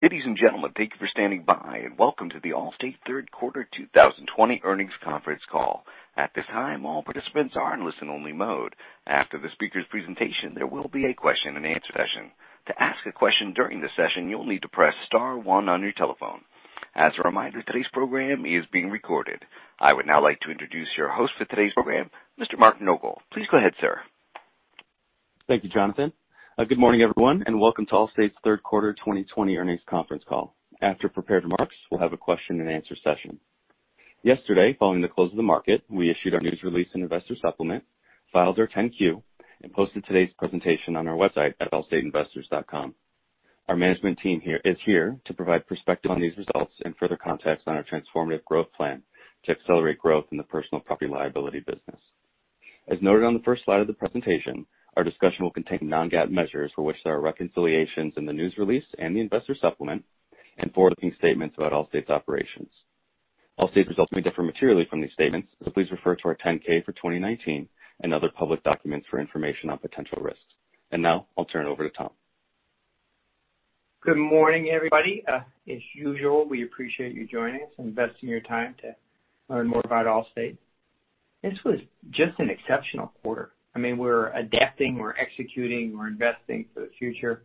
Ladies and gentlemen, thank you for standing by and welcome to the Allstate Third Quarter 2020 Earnings Conference Call. At this time, all participants are in listen-only mode. After the speaker's presentation, there will be a question-and-answer session. To ask a question during the session, you'll need to press star one on your telephone. As a reminder, today's program is being recorded. I would now like to introduce your host for today's program, Mr. Mark Nogal. Please go ahead, sir. Thank you, Jonathan. Good morning, everyone, and welcome to Allstate's Third Quarter 2020 Earnings Conference Call. After prepared remarks, we'll have a question-and-answer session. Yesterday, following the close of the market, we issued our news release and investor supplement, filed our 10-Q, and posted today's presentation on our website at allstateinvestors.com. Our management team is here to provide perspective on these results and further context on our transformative growth plan to accelerate growth in the personal property-liability business. As noted on the first slide of the presentation, our discussion will contain non-GAAP measures for which there are reconciliations in the news release and the investor supplement, and forward-looking statements about Allstate's operations. Allstate's results may differ materially from these statements, so please refer to our 10-K for 2019 and other public documents for information on potential risks. And now, I'll turn it over to Tom. Good morning, everybody. As usual, we appreciate you joining us and investing your time to learn more about Allstate. This was just an exceptional quarter. I mean, we're adapting, we're executing, we're investing for the future.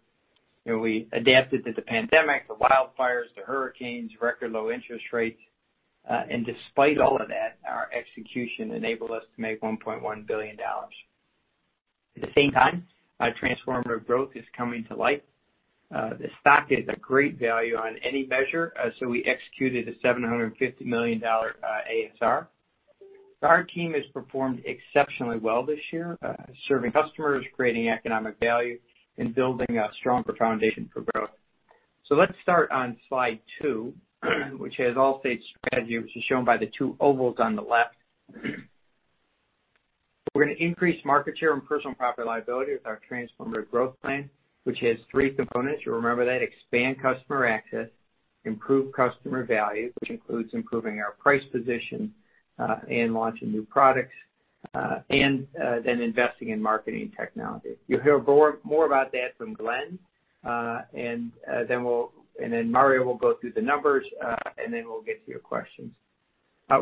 We adapted to the pandemic, the wildfires, the hurricanes, record low interest rates. And despite all of that, our execution enabled us to make $1.1 billion. At the same time, Transformative Growth is coming to light. The stock is a great value on any measure, so we executed a $750 million ASR. Our team has performed exceptionally well this year, serving customers, creating economic value, and building a stronger foundation for growth. So let's start on slide two, which has Allstate's strategy, which is shown by the two ovals on the left. We're going to increase market share and personal property-liability with our Transformative Growth plan, which has three components. You'll remember that: expand customer access, improve customer value, which includes improving our price position and launching new products, and then investing in marketing technology. You'll hear more about that from Glenn, and then Mario will go through the numbers, and then we'll get to your questions.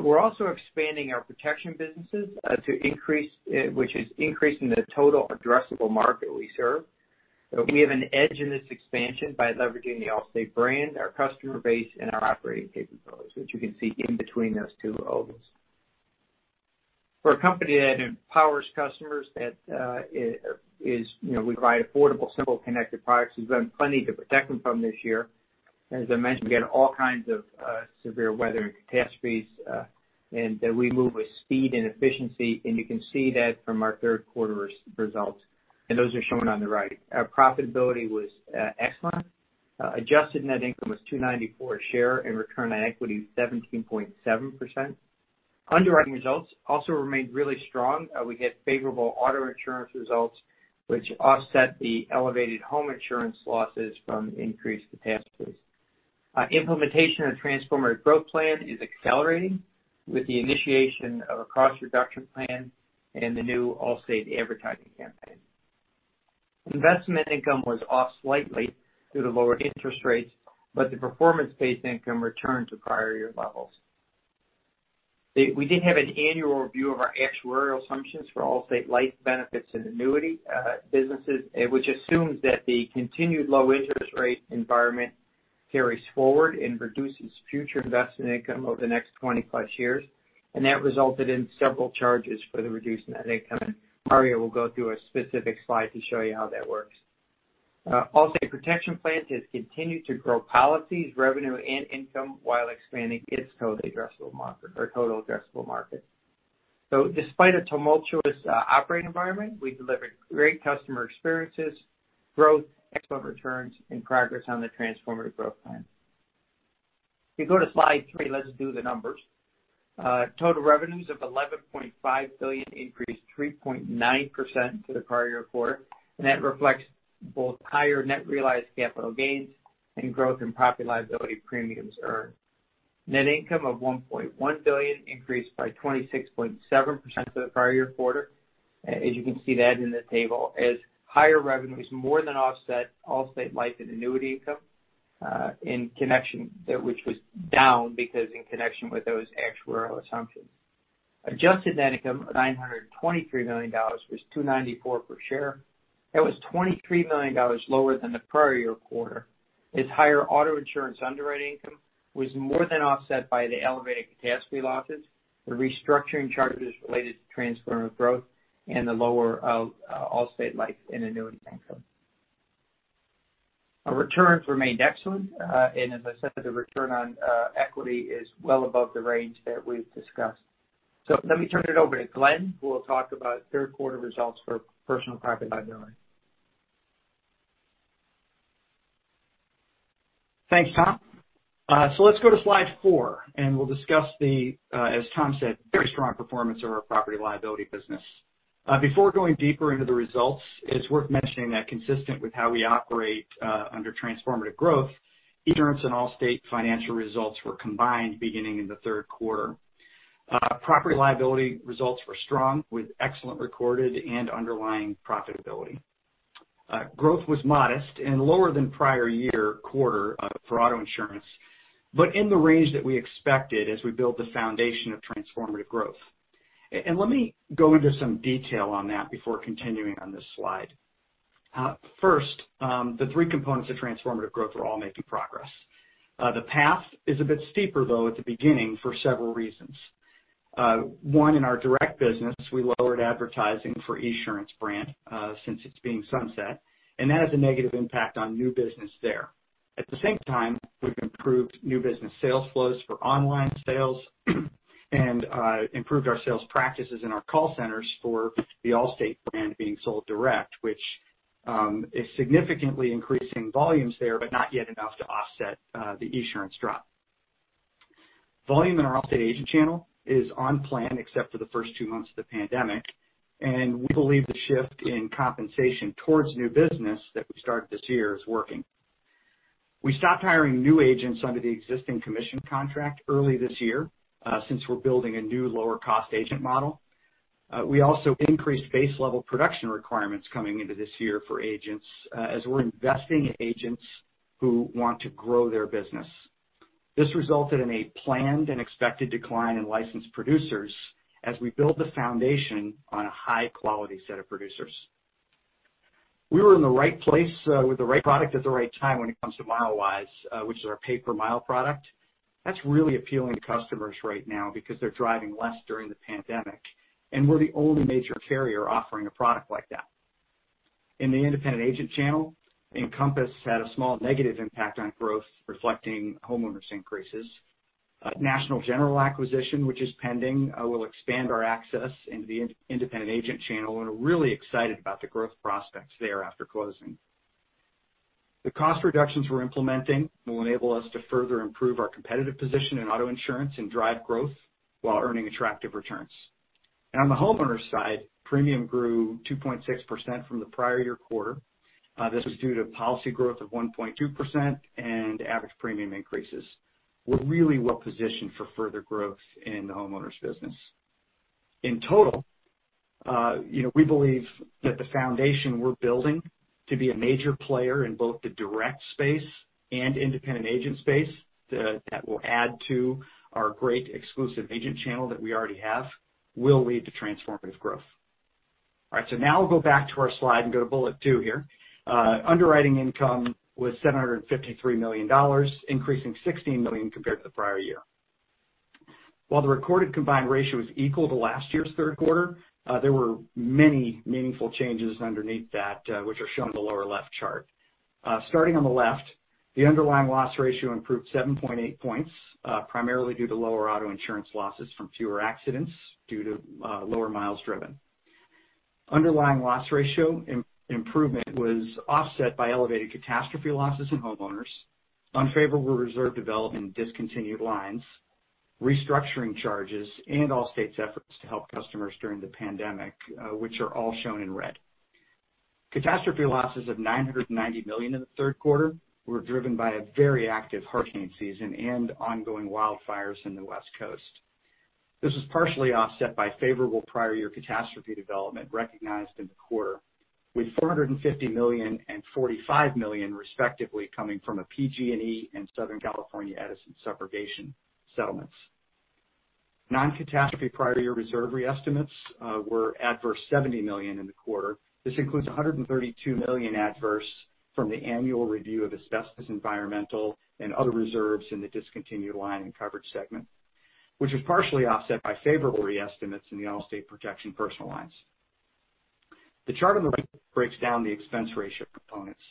We're also expanding our protection businesses, which is increasing the total addressable market we serve. We have an edge in this expansion by leveraging the Allstate brand, our customer base, and our operating capabilities, which you can see in between those two ovals. For a company that empowers customers, that is, we provide affordable, simple, connected products. We've done plenty to protect them from this year. As I mentioned, we had all kinds of severe weather and catastrophes, and we move with speed and efficiency, and you can see that from our third quarter results, and those are shown on the right. Our profitability was excellent. Adjusted net income was $2.94 a share, and return on equity was 17.7%. Underwriting results also remained really strong. We had favorable auto insurance results, which offset the elevated home insurance losses from increased catastrophes. Implementation of the Transformative Growth plan is accelerating with the initiation of a cost reduction plan and the new Allstate advertising campaign. Investment income was off slightly due to lower interest rates, but the performance-based income returned to prior year levels. We did have an annual review of our actuarial assumptions for Allstate Life benefits and annuity businesses, which assumes that the continued low interest rate environment carries forward and reduces future investment income over the next 20-plus years, and that resulted in several charges for the reduced net income, and Mario will go through a specific slide to show you how that works. Allstate Protection Plans has continued to grow policies, revenue, and income while expanding its total addressable market. So despite a tumultuous operating environment, we delivered great customer experiences, growth, excellent returns, and progress on the transformative growth plan. If you go to slide three, let's do the numbers. Total revenues of $11.5 billion increased 3.9% to the prior year quarter, and that reflects both higher net realized capital gains and growth in property liability premiums earned. Net income of $1.1 billion increased by 26.7% to the prior year quarter. As you can see that in the table, as higher revenues more than offset Allstate life and annuity income in connection, which was down because in connection with those actuarial assumptions. Adjusted net income of $923 million was $2.94 per share. That was $23 million lower than the prior year quarter. Its higher auto insurance underwriting income was more than offset by the elevated catastrophe losses, the restructuring charges related to Transformative Growth, and the lower Allstate Life and annuity income. Our returns remained excellent, and as I said, the return on equity is well above the range that we've discussed. So let me turn it over to Glenn, who will talk about third quarter results for Personal Property-Liability. Thanks, Tom. So let's go to slide four, and we'll discuss the, as Tom said, very strong performance of our property liability business. Before going deeper into the results, it's worth mentioning that consistent with how we operate under Transformative Growth, insurance and Allstate Financial results were combined beginning in the third quarter. Property liability results were strong with excellent recorded and underlying profitability. Growth was modest and lower than prior year quarter for auto insurance, but in the range that we expected as we build the foundation of Transformative Growth. Let me go into some detail on that before continuing on this slide. First, the three components of Transformative Growth are all making progress. The path is a bit steeper, though, at the beginning for several reasons. One, in our direct business, we lowered advertising for Esurance brand since it's being sunset, and that has a negative impact on new business there. At the same time, we've improved new business sales flows for online sales and improved our sales practices in our call centers for the Allstate brand being sold direct, which is significantly increasing volumes there, but not yet enough to offset the Esurance drop. Volume in our Allstate agent channel is on plan except for the first two months of the pandemic, and we believe the shift in compensation towards new business that we started this year is working. We stopped hiring new agents under the existing commission contract early this year since we're building a new lower-cost agent model. We also increased base-level production requirements coming into this year for agents as we're investing in agents who want to grow their business. This resulted in a planned and expected decline in licensed producers as we build the foundation on a high-quality set of producers. We were in the right place with the right product at the right time when it comes to Milewise, which is our pay-per-mile product. That's really appealing to customers right now because they're driving less during the pandemic, and we're the only major carrier offering a product like that. In the independent agent channel, Encompass had a small negative impact on growth, reflecting homeowners' increases. National General acquisition, which is pending, will expand our access into the independent agent channel, and we're really excited about the growth prospects there after closing. The cost reductions we're implementing will enable us to further improve our competitive position in auto insurance and drive growth while earning attractive returns, and on the homeowner side, premium grew 2.6% from the prior year quarter. This was due to policy growth of 1.2% and average premium increases. We're really well positioned for further growth in the homeowners' business. In total, we believe that the foundation we're building to be a major player in both the direct space and independent agent space that will add to our great exclusive agent channel that we already have will lead to transformative growth. All right, so now we'll go back to our slide and go to bullet two here. Underwriting income was $753 million, increasing $16 million compared to the prior year. While the recorded combined ratio is equal to last year's third quarter, there were many meaningful changes underneath that, which are shown in the lower left chart. Starting on the left, the underlying loss ratio improved 7.8 points, primarily due to lower auto insurance losses from fewer accidents due to lower miles driven. Underlying loss ratio improvement was offset by elevated catastrophe losses in homeowners, unfavorable reserve development and discontinued lines, restructuring charges, and Allstate's efforts to help customers during the pandemic, which are all shown in red. Catastrophe losses of $990 million in the third quarter were driven by a very active hurricane season and ongoing wildfires in the West Coast. This was partially offset by favorable prior year catastrophe development recognized in the quarter, with $450 million and $45 million, respectively, coming from a PG&E and Southern California Edison subrogation settlements. Non-catastrophe prior year reserve re-estimates were adverse $70 million in the quarter. This includes $132 million adverse from the annual review of asbestos, environmental, and other reserves in the discontinued line and coverage segment, which was partially offset by favorable re-estimates in the Allstate protection personal lines. The chart on the right breaks down the expense ratio components.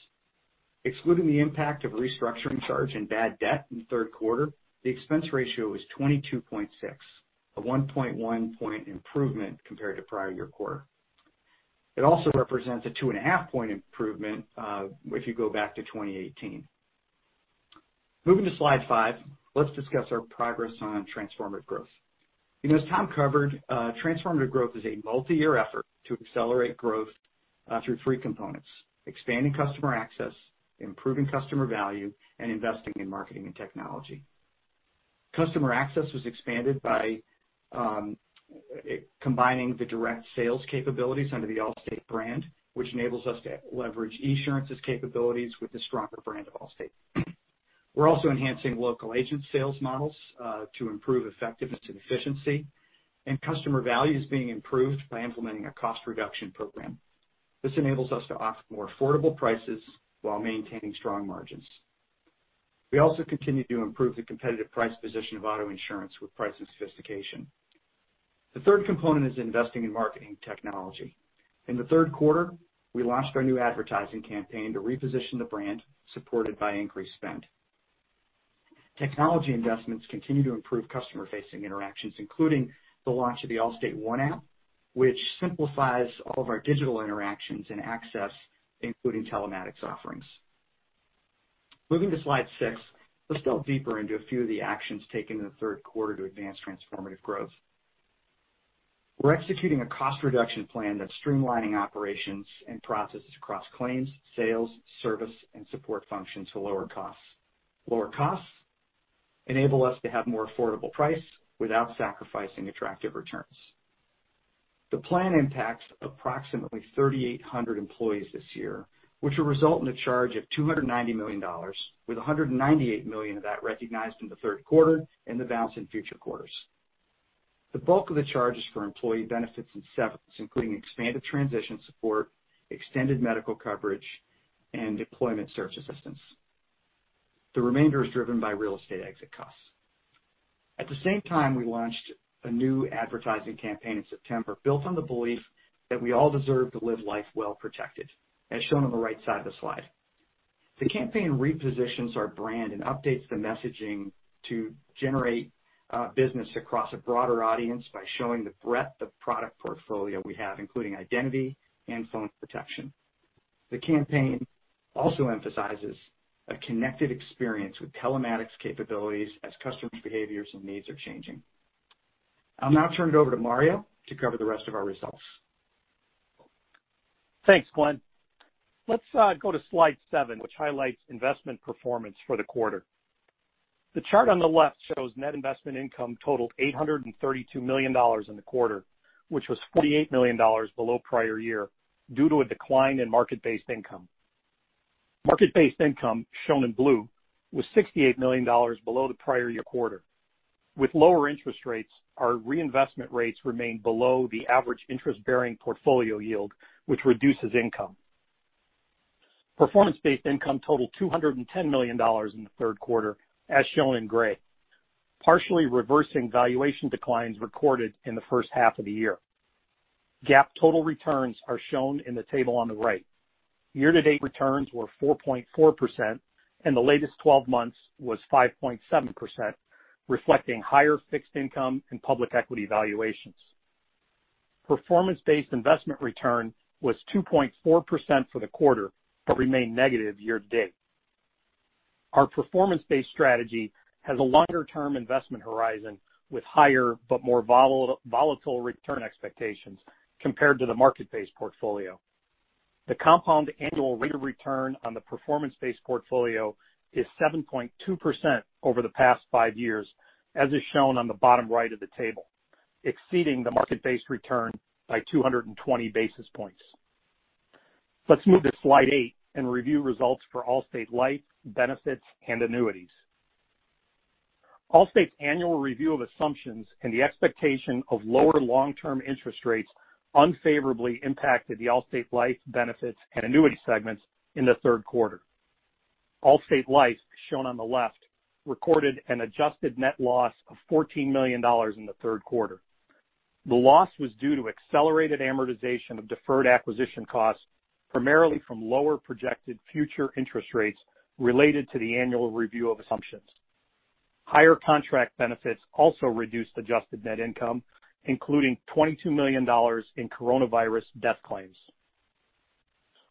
Excluding the impact of restructuring charge and bad debt in the third quarter, the expense ratio was 22.6%, a 1.1-point improvement compared to prior year quarter. It also represents a 2.5-point improvement if you go back to 2018. Moving to slide five, let's discuss our progress on Transformative Growth. As Tom covered, Transformative Growth is a multi-year effort to accelerate growth through three components: expanding customer access, improving customer value, and investing in marketing and technology. Customer access was expanded by combining the direct sales capabilities under the Allstate brand, which enables us to leverage Esurance's capabilities with the stronger brand of Allstate. We're also enhancing local agent sales models to improve effectiveness and efficiency, and customer value is being improved by implementing a cost reduction program. This enables us to offer more affordable prices while maintaining strong margins. We also continue to improve the competitive price position of auto insurance with price and sophistication. The third component is investing in marketing technology. In the third quarter, we launched our new advertising campaign to reposition the brand, supported by increased spend. Technology investments continue to improve customer-facing interactions, including the launch of the Allstate One app, which simplifies all of our digital interactions and access, including telematics offerings. Moving to slide six, let's delve deeper into a few of the actions taken in the third quarter to advance transformative growth. We're executing a cost reduction plan that's streamlining operations and processes across claims, sales, service, and support functions for lower costs. Lower costs enable us to have more affordable price without sacrificing attractive returns. The plan impacts approximately 3,800 employees this year, which will result in a charge of $290 million, with $198 million of that recognized in the third quarter and the balance in future quarters. The bulk of the charge is for employee benefits and severance, including expanded transition support, extended medical coverage, and employment search assistance. The remainder is driven by real estate exit costs. At the same time, we launched a new advertising campaign in September, built on the belief that we all deserve to live life well protected, as shown on the right side of the slide. The campaign repositions our brand and updates the messaging to generate business across a broader audience by showing the breadth of product portfolio we have, including identity and phone protection. The campaign also emphasizes a connected experience with telematics capabilities as customers' behaviors and needs are changing. I'll now turn it over to Mario to cover the rest of our results. Thanks, Glenn. Let's go to slide seven, which highlights investment performance for the quarter. The chart on the left shows net investment income totaled $832 million in the quarter, which was $48 million below prior year due to a decline in market-based income. Market-based income, shown in blue, was $68 million below the prior year quarter. With lower interest rates, our reinvestment rates remain below the average interest-bearing portfolio yield, which reduces income. Performance-based income totaled $210 million in the third quarter, as shown in gray, partially reversing valuation declines recorded in the first half of the year. GAAP total returns are shown in the table on the right. Year-to-date returns were 4.4%, and the latest 12 months was 5.7%, reflecting higher fixed income and public equity valuations. Performance-based investment return was 2.4% for the quarter but remained negative year-to-date. Our performance-based strategy has a longer-term investment horizon with higher but more volatile return expectations compared to the market-based portfolio. The compound annual rate of return on the performance-based portfolio is 7.2% over the past five years, as is shown on the bottom right of the table, exceeding the market-based return by 220 basis points. Let's move to slide eight and review results for Allstate Life, Benefits, and Annuities. Allstate's annual review of assumptions and the expectation of lower long-term interest rates unfavorably impacted the Allstate Life, Benefits, and Annuity segments in the third quarter. Allstate Life, shown on the left, recorded an adjusted net loss of $14 million in the third quarter. The loss was due to accelerated amortization of deferred acquisition costs, primarily from lower projected future interest rates related to the annual review of assumptions. Higher contract benefits also reduced adjusted net income, including $22 million in coronavirus death claims.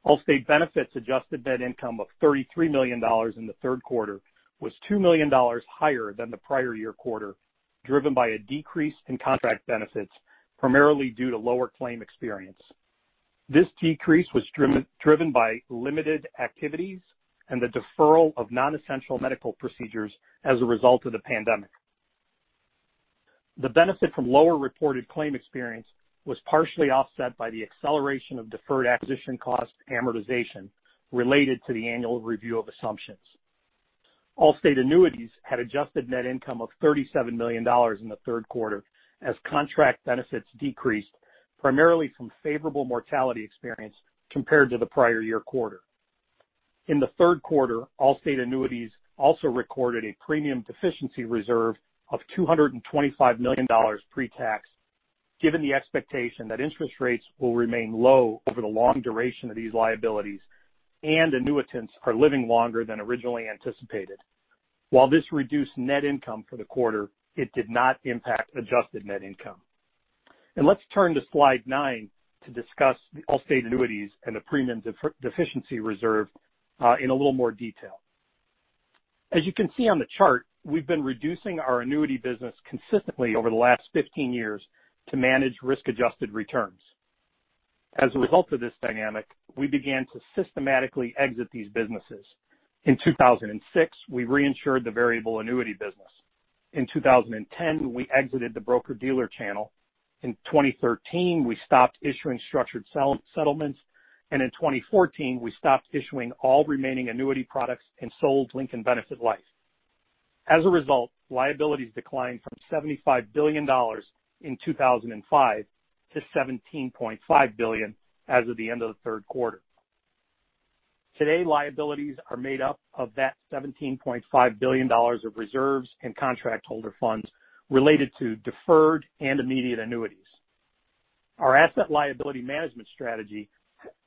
Allstate Benefits' adjusted net income of $33 million in the third quarter was $2 million higher than the prior year quarter, driven by a decrease in contract benefits, primarily due to lower claim experience. This decrease was driven by limited activities and the deferral of non-essential medical procedures as a result of the pandemic. The benefit from lower reported claim experience was partially offset by the acceleration of deferred acquisition cost amortization related to the annual review of assumptions. Allstate Annuities had adjusted net income of $37 million in the third quarter as contract benefits decreased, primarily from favorable mortality experience compared to the prior year quarter. In the third quarter, Allstate Annuities also recorded a premium deficiency reserve of $225 million pre-tax, given the expectation that interest rates will remain low over the long duration of these liabilities and annuitants are living longer than originally anticipated. While this reduced net income for the quarter, it did not impact adjusted net income, and let's turn to slide nine to discuss Allstate Annuities and the premium deficiency reserve in a little more detail. As you can see on the chart, we've been reducing our annuity business consistently over the last 15 years to manage risk-adjusted returns. As a result of this dynamic, we began to systematically exit these businesses. In 2006, we reinsured the variable annuity business. In 2010, we exited the broker-dealer channel. In 2013, we stopped issuing structured settlements, and in 2014, we stopped issuing all remaining annuity products and sold Lincoln Benefit Life. As a result, liabilities declined from $75 billion in 2005 to $17.5 billion as of the end of the third quarter. Today, liabilities are made up of that $17.5 billion of reserves and contract holder funds related to deferred and immediate annuities. Our asset liability management strategy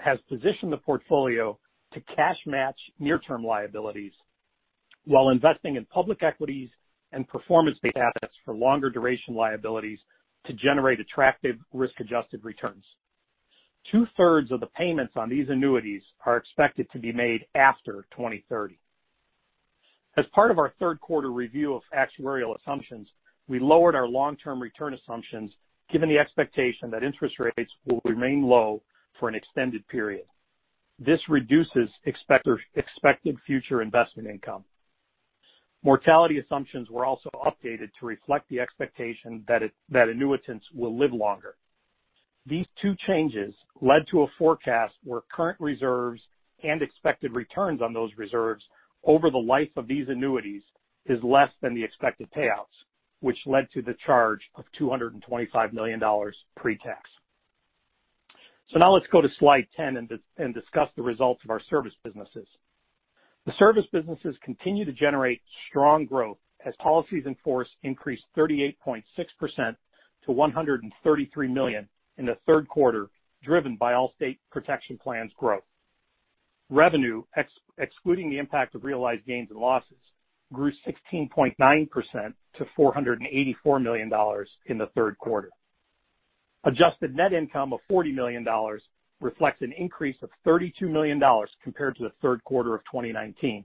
has positioned the portfolio to cash match near-term liabilities while investing in public equities and performance-based assets for longer duration liabilities to generate attractive risk-adjusted returns. Two-thirds of the payments on these annuities are expected to be made after 2030. As part of our third quarter review of actuarial assumptions, we lowered our long-term return assumptions given the expectation that interest rates will remain low for an extended period. This reduces expected future investment income. Mortality assumptions were also updated to reflect the expectation that annuitants will live longer. These two changes led to a forecast where current reserves and expected returns on those reserves over the life of these annuities is less than the expected payouts, which led to the charge of $225 million pre-tax. So now let's go to Slide 10 and discuss the results of our service businesses. The service businesses continue to generate strong growth as policies in force increased 38.6% to 133 million in the third quarter, driven by Allstate Protection Plans growth. Revenue, excluding the impact of realized gains and losses, grew 16.9% to $484 million in the third quarter. Adjusted net income of $40 million reflects an increase of $32 million compared to the third quarter of 2019.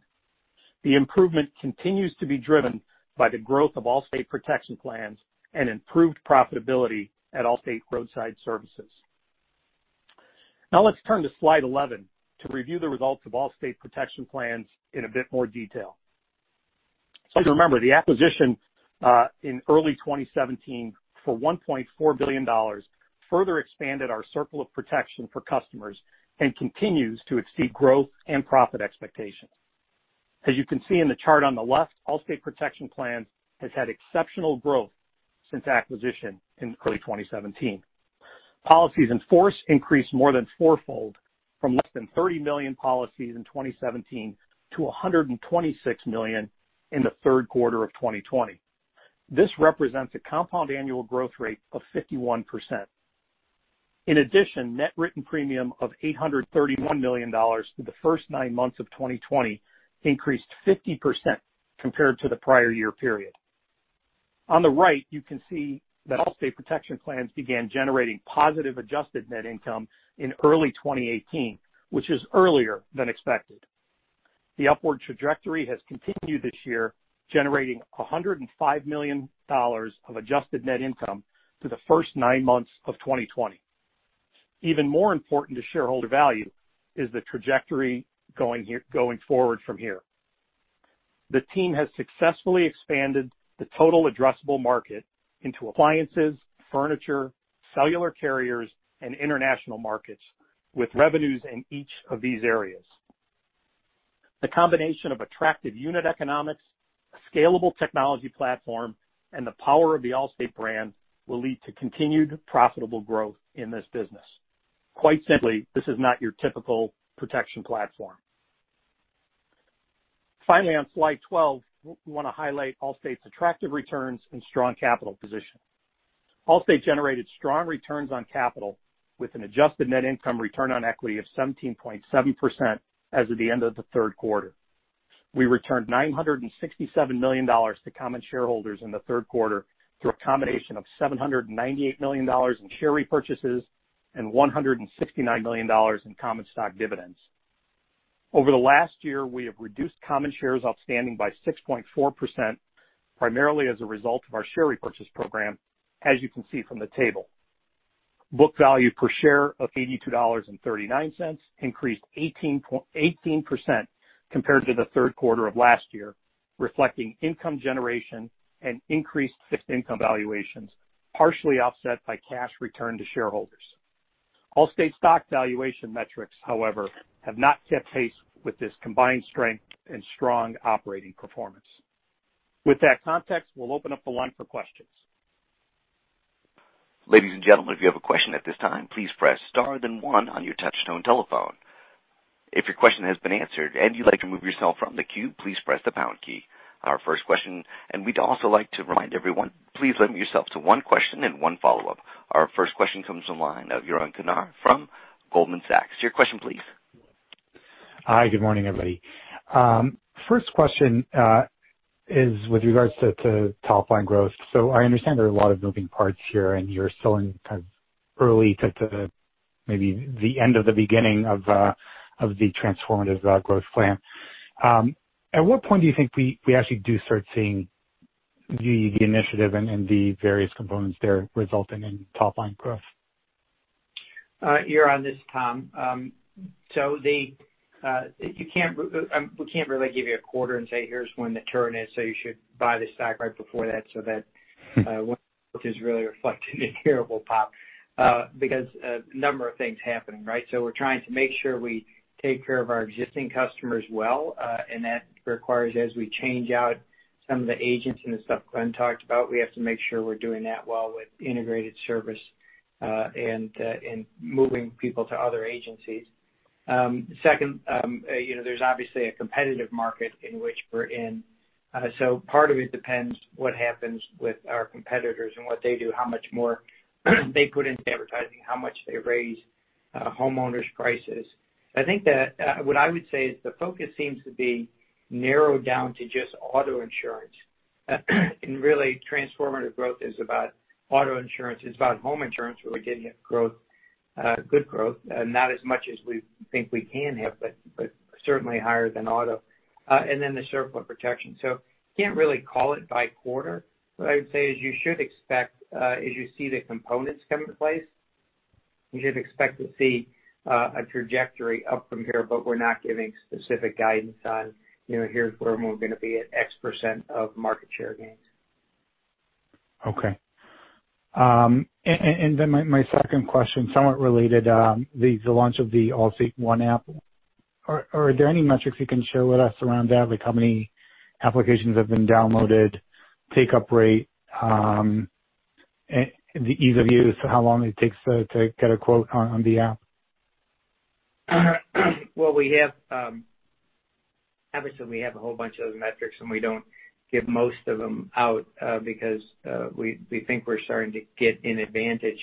The improvement continues to be driven by the growth of Allstate Protection Plans and improved profitability at Allstate Roadside Services. Now let's turn to slide 11 to review the results of Allstate Protection Plans in a bit more detail. So remember, the acquisition in early 2017 for $1.4 billion further expanded our circle of protection for customers and continues to exceed growth and profit expectations. As you can see in the chart on the left, Allstate Protection Plans has had exceptional growth since acquisition in early 2017. Policies in force increased more than fourfold from less than 30 million policies in 2017 to 126 million in the third quarter of 2020. This represents a compound annual growth rate of 51%. In addition, net written premium of $831 million for the first nine months of 2020 increased 50% compared to the prior year period. On the right, you can see that Allstate Protection Plans began generating positive adjusted net income in early 2018, which is earlier than expected. The upward trajectory has continued this year, generating $105 million of adjusted net income through the first nine months of 2020. Even more important to shareholder value is the trajectory going forward from here. The team has successfully expanded the total addressable market into appliances, furniture, cellular carriers, and international markets with revenues in each of these areas. The combination of attractive unit economics, a scalable technology platform, and the power of the Allstate brand will lead to continued profitable growth in this business. Quite simply, this is not your typical protection platform. Finally, on slide 12, we want to highlight Allstate's attractive returns and strong capital position. Allstate generated strong returns on capital with an adjusted net income return on equity of 17.7% as of the end of the third quarter. We returned $967 million to common shareholders in the third quarter through a combination of $798 million in share repurchases and $169 million in common stock dividends. Over the last year, we have reduced common shares outstanding by 6.4%, primarily as a result of our share repurchase program, as you can see from the table. Book value per share of $82.39 increased 18% compared to the third quarter of last year, reflecting income generation and increased fixed income valuations, partially offset by cash return to shareholders. Allstate's stock valuation metrics, however, have not kept pace with this combined strength and strong operating performance. With that context, we'll open up the line for questions. Ladies and gentlemen, if you have a question at this time, please press star then one on your touchtone telephone. If your question has been answered and you'd like to remove yourself from the queue, please press the pound key. Our first question, and we'd also like to remind everyone, please limit yourself to one question and one follow-up. Our first question comes from Yaron Kinar from Goldman Sachs. Your question, please. Hi, good morning, everybody. First question is with regards to top-line growth. So I understand there are a lot of moving parts here, and you're still in kind of early to maybe the end of the beginning of the Transformative Growth plan. At what point do you think we actually do start seeing the initiative and the various components there resulting in top-line growth? You're on this, Tom. So we can't really give you a quarter and say, "Here's when the turn is, so you should buy the stock right before that," so that when growth is really reflected in here, it will pop because a number of things are happening, right? So we're trying to make sure we take care of our existing customers well, and that requires, as we change out some of the agents and the stuff Glenn talked about, we have to make sure we're doing that well with integrated service and moving people to other agencies. Second, there's obviously a competitive market in which we're in. So part of it depends on what happens with our competitors and what they do, how much more they put into advertising, how much they raise homeowners' prices. I think that what I would say is the focus seems to be narrowed down to just auto insurance. And really, Transformative Growth is about auto insurance. It's about home insurance where we did have good growth, not as much as we think we can have, but certainly higher than auto. And then the surplus protection. So you can't really call it by quarter. What I would say is you should expect, as you see the components come into place, you should expect to see a trajectory up from here, but we're not giving specific guidance on, "Here's where we're going to be at X% of market share gains. Okay. And then my second question, somewhat related, the launch of the Allstate One app. Are there any metrics you can share with us around that, like how many applications have been downloaded, take-up rate, the ease of use, how long it takes to get a quote on the app? Obviously, we have a whole bunch of those metrics, and we don't give most of them out because we think we're starting to get an advantage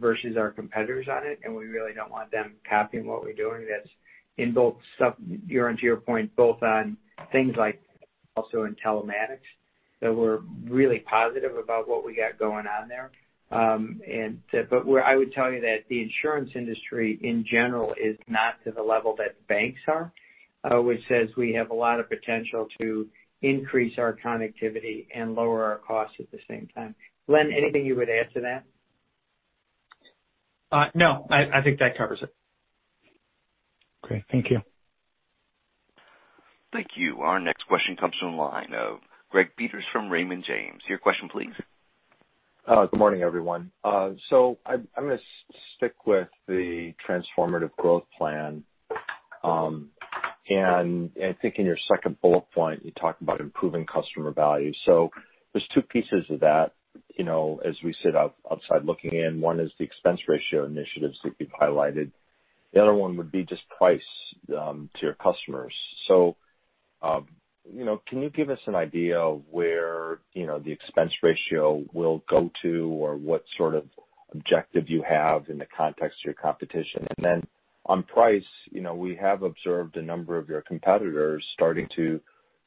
versus our competitors on it, and we really don't want them copying what we're doing. That's in both, you're onto your point, both on things like also in telematics. So we're really positive about what we got going on there. But I would tell you that the insurance industry, in general, is not to the level that banks are, which says we have a lot of potential to increase our connectivity and lower our costs at the same time. Glenn, anything you would add to that? No. I think that covers it. Okay. Thank you. Thank you. Our next question comes from the line of Greg Peters from Raymond James. Your question, please. Good morning, everyone. So I'm going to stick with the Transformative Growth plan. And I think in your second bullet point, you talked about improving customer value. So there's two pieces of that as we sit outside looking in. One is the expense ratio initiatives that you've highlighted. The other one would be just price to your customers. So can you give us an idea of where the expense ratio will go to or what sort of objective you have in the context of your competition? And then on price, we have observed a number of your competitors starting to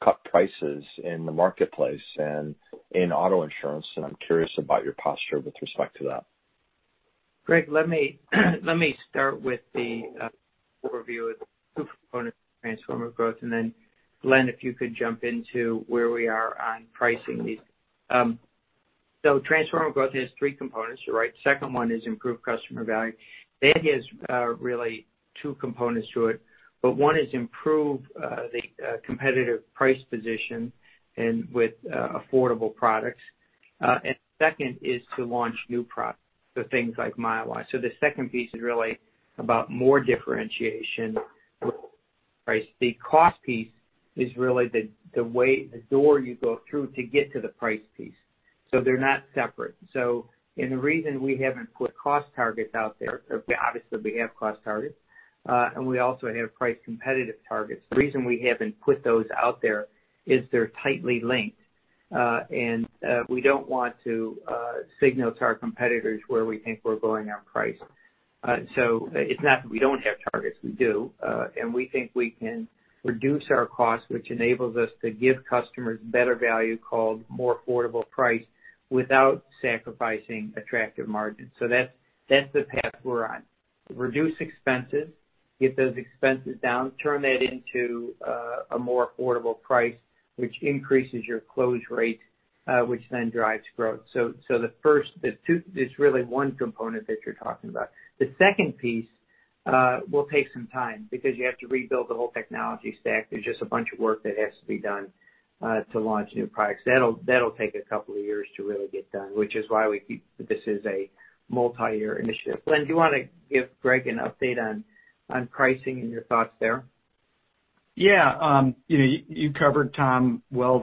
cut prices in the marketplace and in auto insurance, and I'm curious about your posture with respect to that. Greg, let me start with the overview of the two components of Transformative Growth. And then, Glenn, if you could jump into where we are on pricing these. So Transformative Growth has three components, right? The second one is improved customer value. That has really two components to it. But one is improve the competitive price position with affordable products. And the second is to launch new products, so things like Milewise. So the second piece is really about more differentiation with price. The cost piece is really the door you go through to get to the price piece. So they're not separate. So the reason we haven't put cost targets out there, obviously, we have cost targets, and we also have price competitive targets. The reason we haven't put those out there is they're tightly linked, and we don't want to signal to our competitors where we think we're going on price. So it's not that we don't have targets. We do. And we think we can reduce our costs, which enables us to give customers better value called more affordable price without sacrificing attractive margins. So that's the path we're on. Reduce expenses, get those expenses down, turn that into a more affordable price, which increases your close rate, which then drives growth. So there's really one component that you're talking about. The second piece will take some time because you have to rebuild the whole technology stack. There's just a bunch of work that has to be done to launch new products. That'll take a couple of years to really get done, which is why we keep this as a multi-year initiative. Glenn, do you want to give Greg an update on pricing and your thoughts there? Yeah. You covered, Tom, well,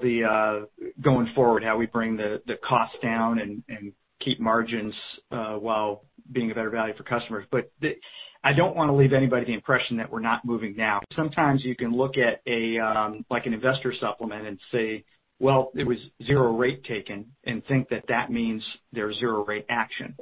going forward, how we bring the cost down and keep margins while being a better value for customers. But I don't want to leave anybody the impression that we're not moving now. Sometimes you can look at an investor supplement and say, "Well, there was zero rate taken," and think that that means there's zero rate action.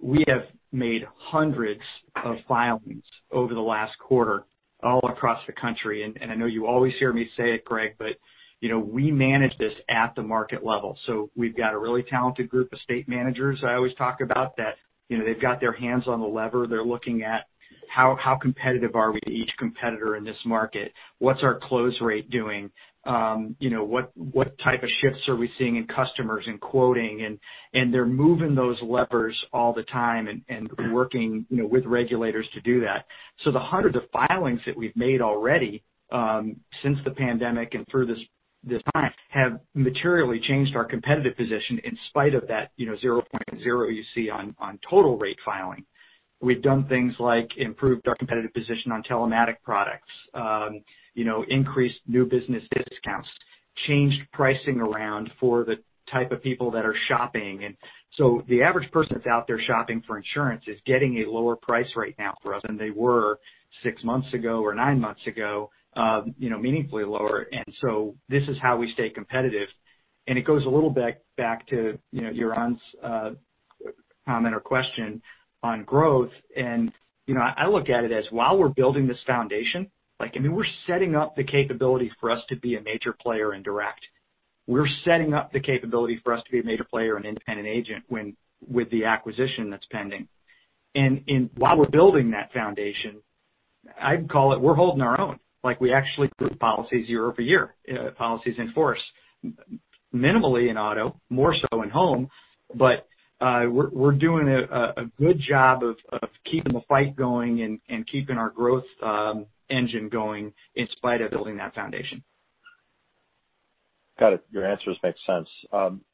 We have made hundreds of filings over the last quarter all across the country. And I know you always hear me say it, Greg, but we manage this at the market level. So we've got a really talented group of state managers I always talk about that they've got their hands on the lever. They're looking at how competitive are we to each competitor in this market? What's our close rate doing? What type of shifts are we seeing in customers and quoting? And they're moving those levers all the time and working with regulators to do that. So the hundreds of filings that we've made already since the pandemic and through this time have materially changed our competitive position in spite of that 0.0 you see on total rate filing. We've done things like improved our competitive position on telematics products, increased new business discounts, changed pricing around for the type of people that are shopping. And so the average person that's out there shopping for insurance is getting a lower price right now for us than they were six months ago or nine months ago, meaningfully lower. And so this is how we stay competitive. And it goes a little bit back to Yaron's comment or question on growth. I look at it as, while we're building this foundation, I mean, we're setting up the capability for us to be a major player in direct. We're setting up the capability for us to be a major player and independent agent with the acquisition that's pending. While we're building that foundation, I'd call it, we're holding our own. We actually put policies year over year, policies in force, minimally in auto, more so in home. But we're doing a good job of keeping the fight going and keeping our growth engine going in spite of building that foundation. Got it. Your answers make sense.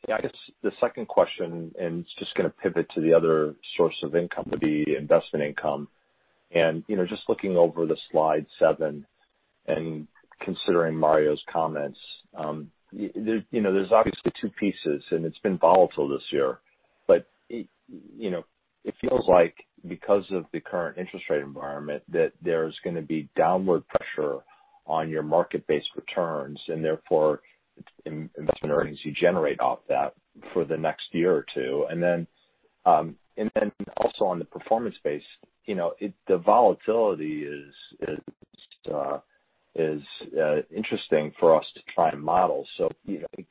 Yeah, I guess the second question, and it's just going to pivot to the other source of income, the investment income. And just looking over the Slide 7 and considering Mario's comments, there's obviously two pieces, and it's been volatile this year. But it feels like, because of the current interest rate environment, that there's going to be downward pressure on your market-based returns and therefore investment earnings you generate off that for the next year or two. And then also on the performance-based, the volatility is interesting for us to try and model. So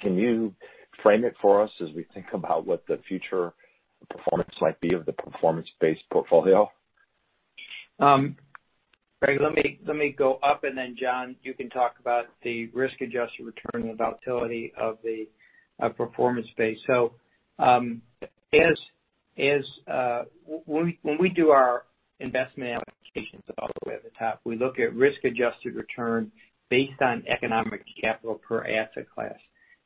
can you frame it for us as we think about what the future performance might be of the performance-based portfolio? Greg, let me go up, and then, John, you can talk about the risk-adjusted return and the volatility of the performance-based. So when we do our investment allocations all the way at the top, we look at risk-adjusted return based on economic capital per asset class.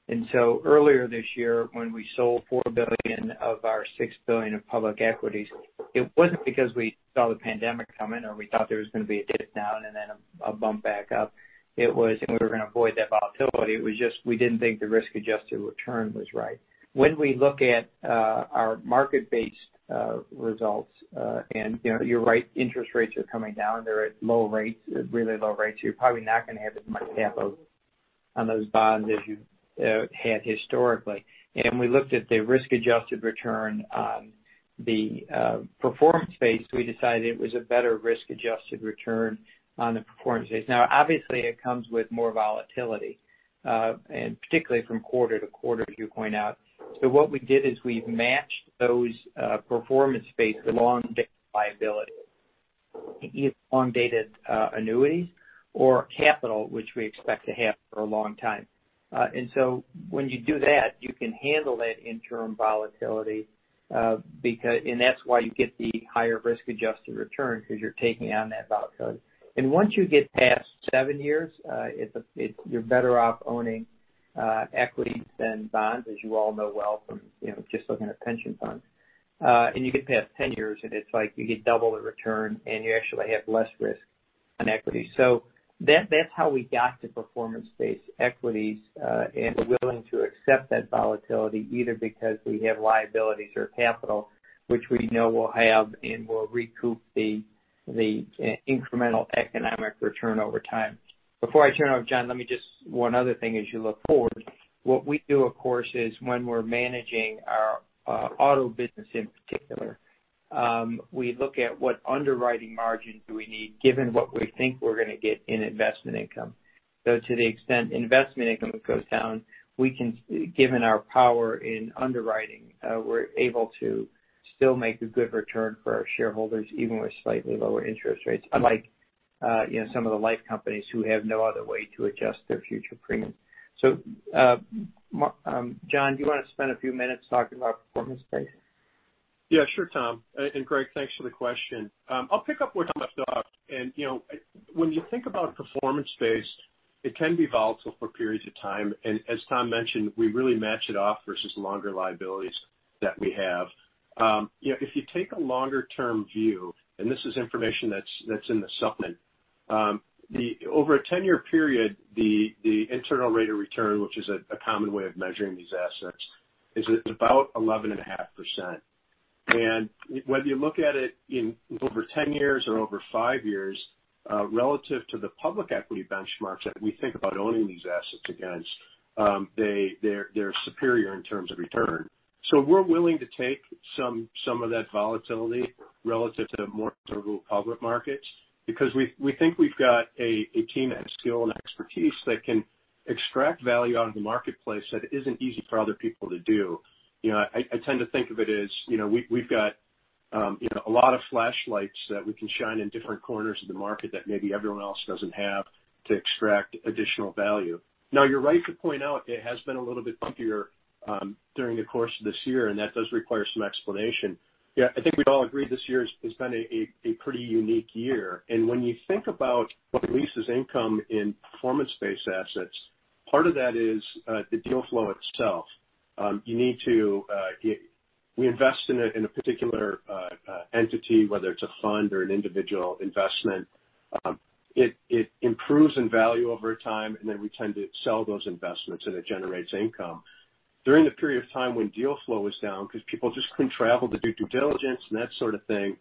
And so earlier this year, when we sold $4 billion of our $6 billion of public equities, it wasn't because we saw the pandemic coming or we thought there was going to be a dip down and then a bump back up. It was, and we were going to avoid that volatility. It was just we didn't think the risk-adjusted return was right. When we look at our market-based results, and you're right, interest rates are coming down. They're at low rates, really low rates. You're probably not going to have as much capital on those bonds as you had historically. We looked at the risk-adjusted return on the performance-based. We decided it was a better risk-adjusted return on the performance-based. Now, obviously, it comes with more volatility, and particularly from quarter to quarter, as you point out. So what we did is we've matched those performance-based long-dated liabilities, either long-dated annuities or capital, which we expect to have for a long time. And so when you do that, you can handle that interim volatility, and that's why you get the higher risk-adjusted return because you're taking on that volatility. And once you get past seven years, you're better off owning equities than bonds, as you all know well from just looking at pension funds. And you get past 10 years, and it's like you get double the return, and you actually have less risk on equity. That's how we got to performance-based equities and [are] willing to accept that volatility, either because we have liabilities or capital, which we know we'll have and will recoup the incremental economic return over time. Before I turn it over, John, let me just [add] one other thing as you look forward. What we do, of course, is when we're managing our auto business in particular, we look at what underwriting margin do we need given what we think we're going to get in investment income. So to the extent investment income goes down, given our power in underwriting, we're able to still make a good return for our shareholders even with slightly lower interest rates, unlike some of the life companies who have no other way to adjust their future premiums. John, do you want to spend a few minutes talking about performance-based? Yeah, sure, Tom. And Greg, thanks for the question. I'll pick up where Tom left off. And when you think about performance-based, it can be volatile for periods of time. And as Tom mentioned, we really match it off versus longer liabilities that we have. If you take a longer-term view, and this is information that's in the supplement, over a 10-year period, the internal rate of return, which is a common way of measuring these assets, is about 11.5%. And whether you look at it in over 10 years or over 5 years, relative to the public equity benchmarks that we think about owning these assets against, they're superior in terms of return. We're willing to take some of that volatility relative to more of the real public markets because we think we've got a team that has skill and expertise that can extract value out of the marketplace that isn't easy for other people to do. I tend to think of it as we've got a lot of flashlights that we can shine in different corners of the market that maybe everyone else doesn't have to extract additional value. Now, you're right to point out it has been a little bit trickier during the course of this year, and that does require some explanation. Yeah, I think we all agree this year has been a pretty unique year. And when you think about what leads to income in performance-based assets, part of that is the deal flow itself. You need to invest in a particular entity, whether it's a fund or an individual investment. It improves in value over time, and then we tend to sell those investments, and it generates income. During the period of time when deal flow was down because people just couldn't travel to do due diligence and that sort of thing,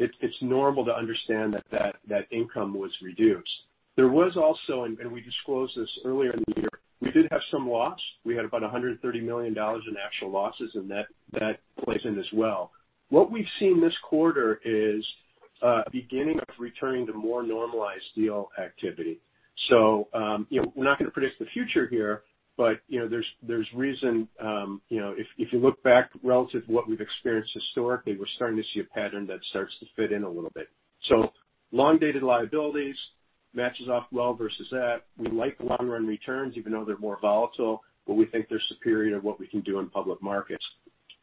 it's normal to understand that that income was reduced. There was also, and we disclosed this earlier in the year, we did have some loss. We had about $130 million in actual losses, and that plays in as well. What we've seen this quarter is beginning of returning to more normalized deal activity. So we're not going to predict the future here, but there's reason if you look back relative to what we've experienced historically, we're starting to see a pattern that starts to fit in a little bit. So long-dated liabilities matches off well versus that. We like long-run returns even though they're more volatile, but we think they're superior to what we can do in public markets.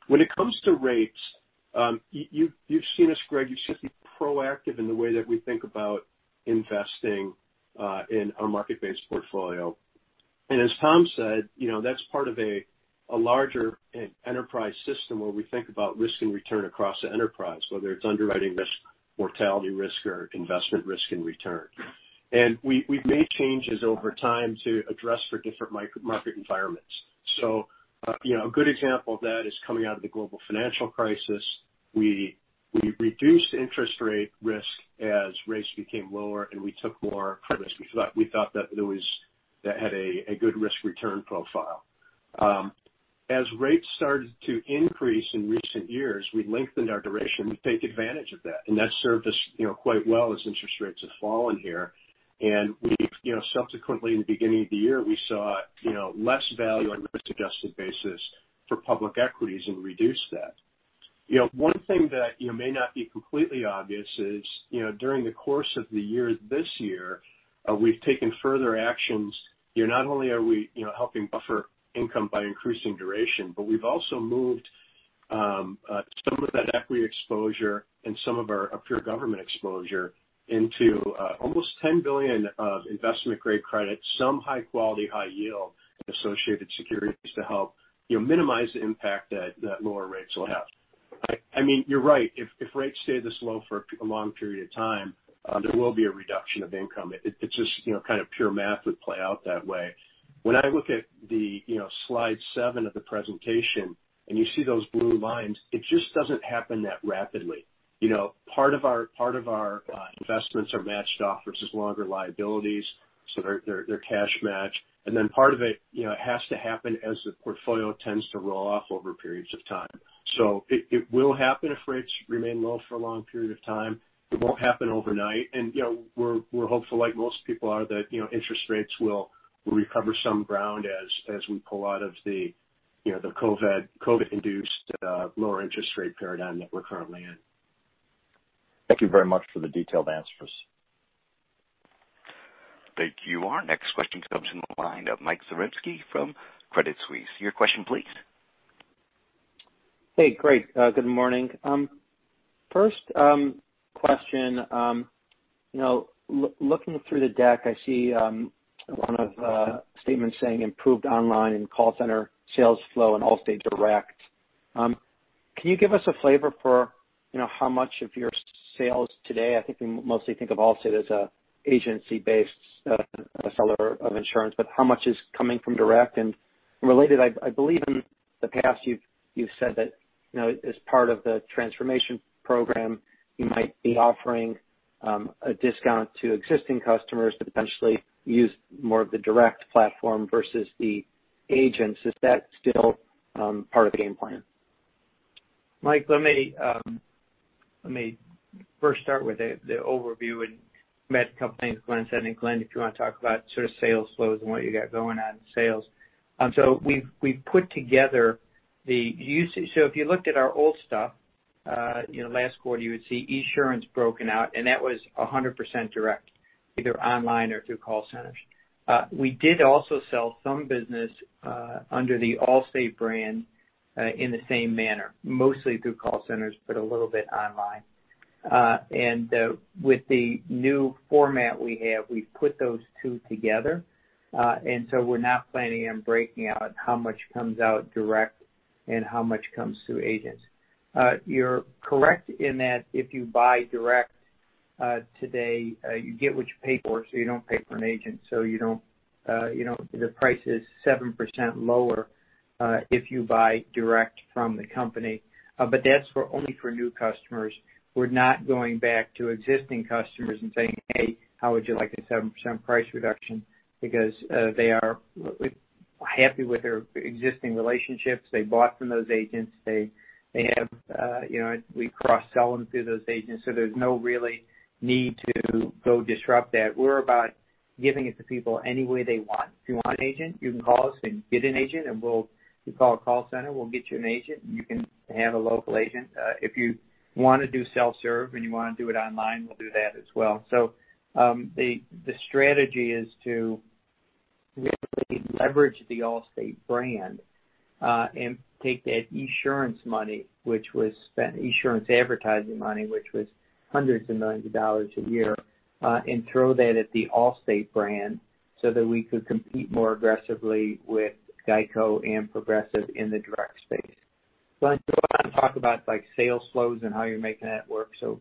When it comes to rates, you've seen us, Greg, you've seen us be proactive in the way that we think about investing in our market-based portfolio. And as Tom said, that's part of a larger enterprise system where we think about risk and return across the enterprise, whether it's underwriting risk, mortality risk, or investment risk and return. And we've made changes over time to address for different market environments. So a good example of that is coming out of the global financial crisis. We reduced interest rate risk as rates became lower, and we took more credit risk. We thought that that had a good risk-return profile. As rates started to increase in recent years, we lengthened our duration. We've taken advantage of that, and that's served us quite well as interest rates have fallen here and subsequently, in the beginning of the year, we saw less value on risk-adjusted basis for public equities and reduced that. One thing that may not be completely obvious is during the course of the year this year, we've taken further actions. Not only are we helping buffer income by increasing duration, but we've also moved some of that equity exposure and some of our pure government exposure into almost $10 billion of investment-grade credits, some high-quality, high-yield associated securities to help minimize the impact that lower rates will have. I mean, you're right. If rates stay this low for a long period of time, there will be a reduction of income. It's just kind of pure math would play out that way. When I look at the slide seven of the presentation and you see those blue lines, it just doesn't happen that rapidly. Part of our investments are matched off versus longer liabilities, so they're cash match. And then part of it has to happen as the portfolio tends to roll off over periods of time. So it will happen if rates remain low for a long period of time. It won't happen overnight. And we're hopeful, like most people are, that interest rates will recover some ground as we pull out of the COVID-induced lower interest rate paradigm that we're currently in. Thank you very much for the detailed answers. Thank you, John. Next question comes from the line of Mike Zaremski from Credit Suisse. Your question, please. Hey, Greg. Good morning. First question, looking through the deck, I see one of the statements saying improved online and call center sales flow and Allstate direct. Can you give us a flavor for how much of your sales today? I think we mostly think of Allstate as an agency-based seller of insurance, but how much is coming from direct? And related, I believe in the past you've said that as part of the transformation program, you might be offering a discount to existing customers to potentially use more of the direct platform versus the agents. Is that still part of the game plan? Mike, let me first start with the overview and mention companies. Glenn said. And Glenn, if you want to talk about sort of sales flows and what you got going on in sales. So we've put together. So if you looked at our old stuff, last quarter, you would see Esurance broken out, and that was 100% direct, either online or through call centers. We did also sell some business under the Allstate brand in the same manner, mostly through call centers, but a little bit online. And with the new format we have, we've put those two together. And so we're not planning on breaking out how much comes out direct and how much comes through agents. You're correct in that if you buy direct today, you get what you pay for, so you don't pay for an agent. So the price is 7% lower if you buy direct from the company. But that's only for new customers. We're not going back to existing customers and saying, "Hey, how would you like a 7% price reduction?" because they are happy with their existing relationships. They bought from those agents. They have. We cross-sell them through those agents. So there's no real need to go disrupt that. We're about giving it to people any way they want. If you want an agent, you can call us and get an agent, and we'll you call a call center, we'll get you an agent, and you can have a local agent. If you want to do self-serve and you want to do it online, we'll do that as well. So the strategy is to really leverage the Allstate brand and take that Esurance money, which was spent, Esurance advertising money, which was hundreds of millions of dollars a year, and throw that at the Allstate brand so that we could compete more aggressively with GEICO and Progressive in the direct space. Glenn, do you want to talk about sales flows and how you're making that work, sir?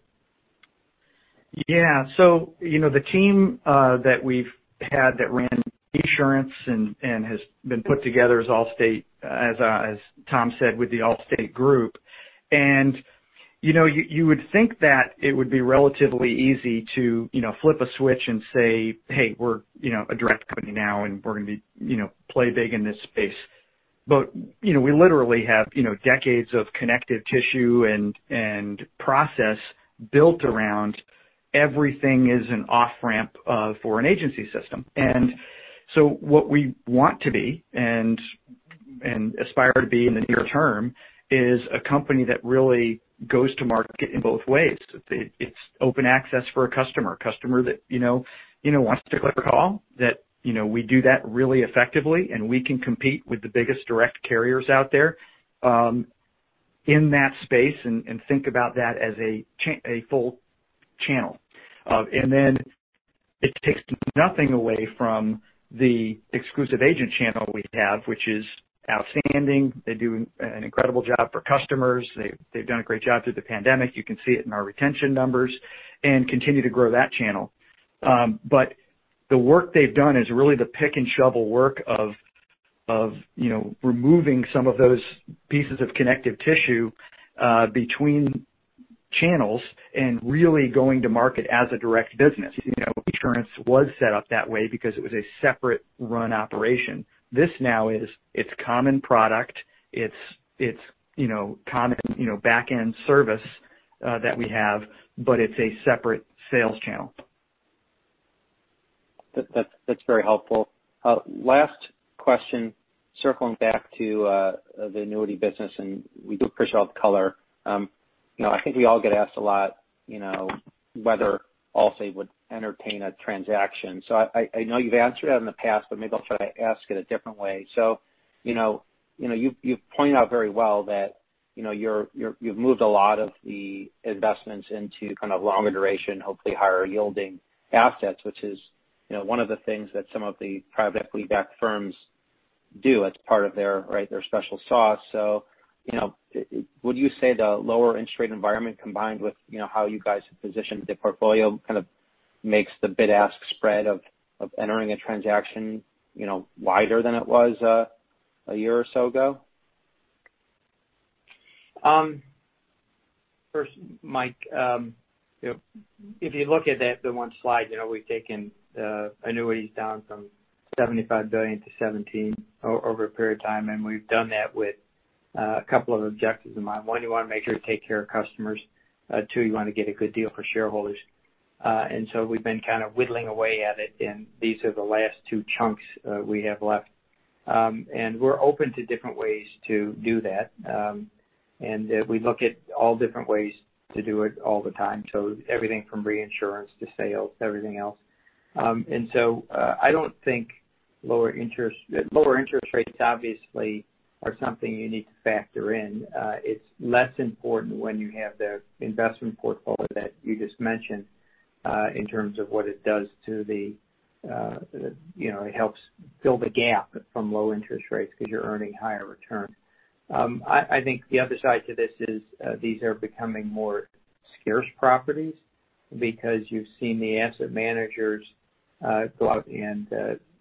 Yeah. So the team that we've had that ran Esurance and has been put together as Allstate, as Tom said, with the Allstate group. And you would think that it would be relatively easy to flip a switch and say, "Hey, we're a direct company now, and we're going to play big in this space." But we literally have decades of connective tissue and process built around everything is an off-ramp for an agency system. And so what we want to be and aspire to be in the near term is a company that really goes to market in both ways. It's open access for a customer, a customer that wants to click or call, that we do that really effectively, and we can compete with the biggest direct carriers out there in this space and think about that as a full channel. And then it takes nothing away from the exclusive agent channel we have, which is outstanding. They do an incredible job for customers. They've done a great job through the pandemic. You can see it in our retention numbers and continue to grow that channel. But the work they've done is really the pick and shovel work of removing some of those pieces of connective tissue between channels and really going to market as a direct business. Esurance was set up that way because it was a separate-run operation. This now is its common product. It's common back-end service that we have, but it's a separate sales channel. That's very helpful. Last question, circling back to the annuity business, and we do appreciate all the color. I think we all get asked a lot whether Allstate would entertain a transaction. So I know you've answered that in the past, but maybe I'll try to ask it a different way. So you point out very well that you've moved a lot of the investments into kind of longer duration, hopefully higher-yielding assets, which is one of the things that some of the private equity-backed firms do as part of their special sauce. So would you say the lower interest rate environment combined with how you guys have positioned the portfolio kind of makes the bid-ask spread of entering a transaction wider than it was a year or so ago? First, Mike, if you look at that, the one slide, we've taken annuities down from $75 billion to $17 billion over a period of time, and we've done that with a couple of objectives in mind. One, you want to make sure to take care of customers. Two, you want to get a good deal for shareholders. And so we've been kind of whittling away at it, and these are the last two chunks we have left. And we're open to different ways to do that. And we look at all different ways to do it all the time. So everything from reinsurance to sales, everything else. And so I don't think lower interest rates obviously are something you need to factor in. It's less important when you have the investment portfolio that you just mentioned in terms of what it does. It helps fill the gap from low interest rates because you're earning higher returns. I think the other side to this is these are becoming more scarce properties because you've seen the asset managers go out and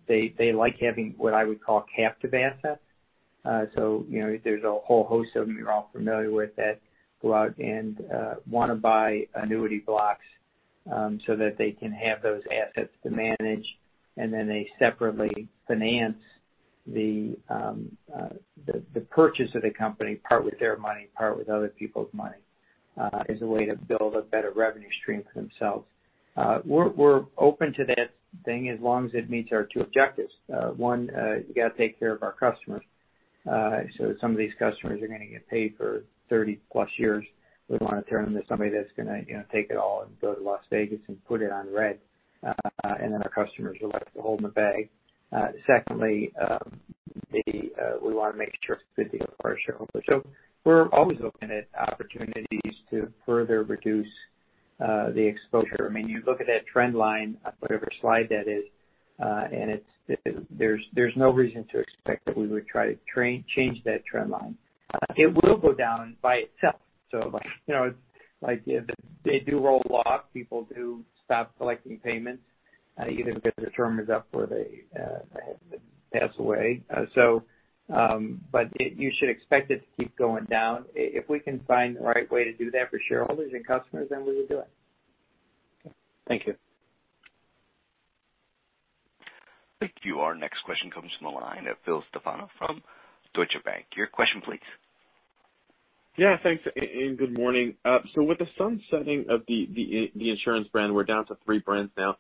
they like having what I would call captive assets. So there's a whole host of them you're all familiar with that go out and want to buy annuity blocks so that they can have those assets to manage, and then they separately finance the purchase of the company, part with their money, part with other people's money as a way to build a better revenue stream for themselves. We're open to that thing as long as it meets our two objectives. One, you got to take care of our customers. So some of these customers are going to get paid for 30-plus years. We want to turn them to somebody that's going to take it all and go to Las Vegas and put it on red, and then our customers are left to hold the bag. Secondly, we want to make sure it's a good deal for our shareholders. So we're always looking at opportunities to further reduce the exposure. I mean, you look at that trend line, whatever slide that is, and there's no reason to expect that we would try to change that trend line. It will go down by itself. So they do roll off. People do stop collecting payments either because their term is up or they pass away. But you should expect it to keep going down. If we can find the right way to do that for shareholders and customers, then we would do it. Thank you. Thank you, Yaron. Next question comes from the line of Phil Stefano from Deutsche Bank. Your question, please. Yeah. Thanks. And good morning. So, with the sunsetting of the insurance brand, we're down to three brands now.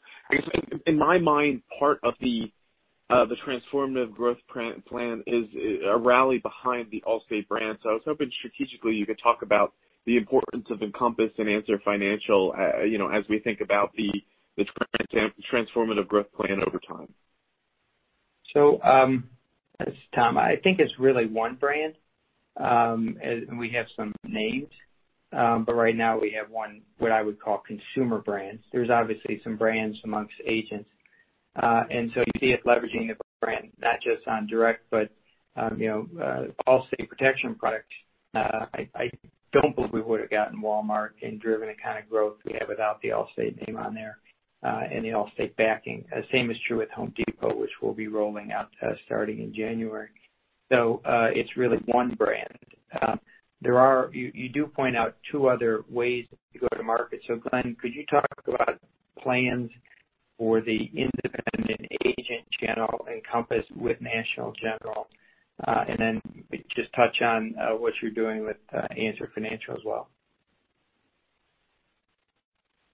In my mind, part of the Transformative Growth Plan is a rally behind the Allstate brand. So, I was hoping strategically you could talk about the importance of Encompass and Answer Financial as we think about the Transformative Growth Plan over time. So this is Tom. I think it's really one brand, and we have some names, but right now we have one, what I would call consumer brands. There's obviously some brands amongst agents. And so you see it leveraging the brand, not just on direct, but Allstate protection products. I don't believe we would have gotten Walmart and driven the kind of growth we have without the Allstate name on there and the Allstate backing. Same is true with Home Depot, which we'll be rolling out starting in January. So it's really one brand. You do point out two other ways to go to market. So Glenn, could you talk about plans for the independent agent channel, Encompass with National General, and then just touch on what you're doing with Answer Financial as well?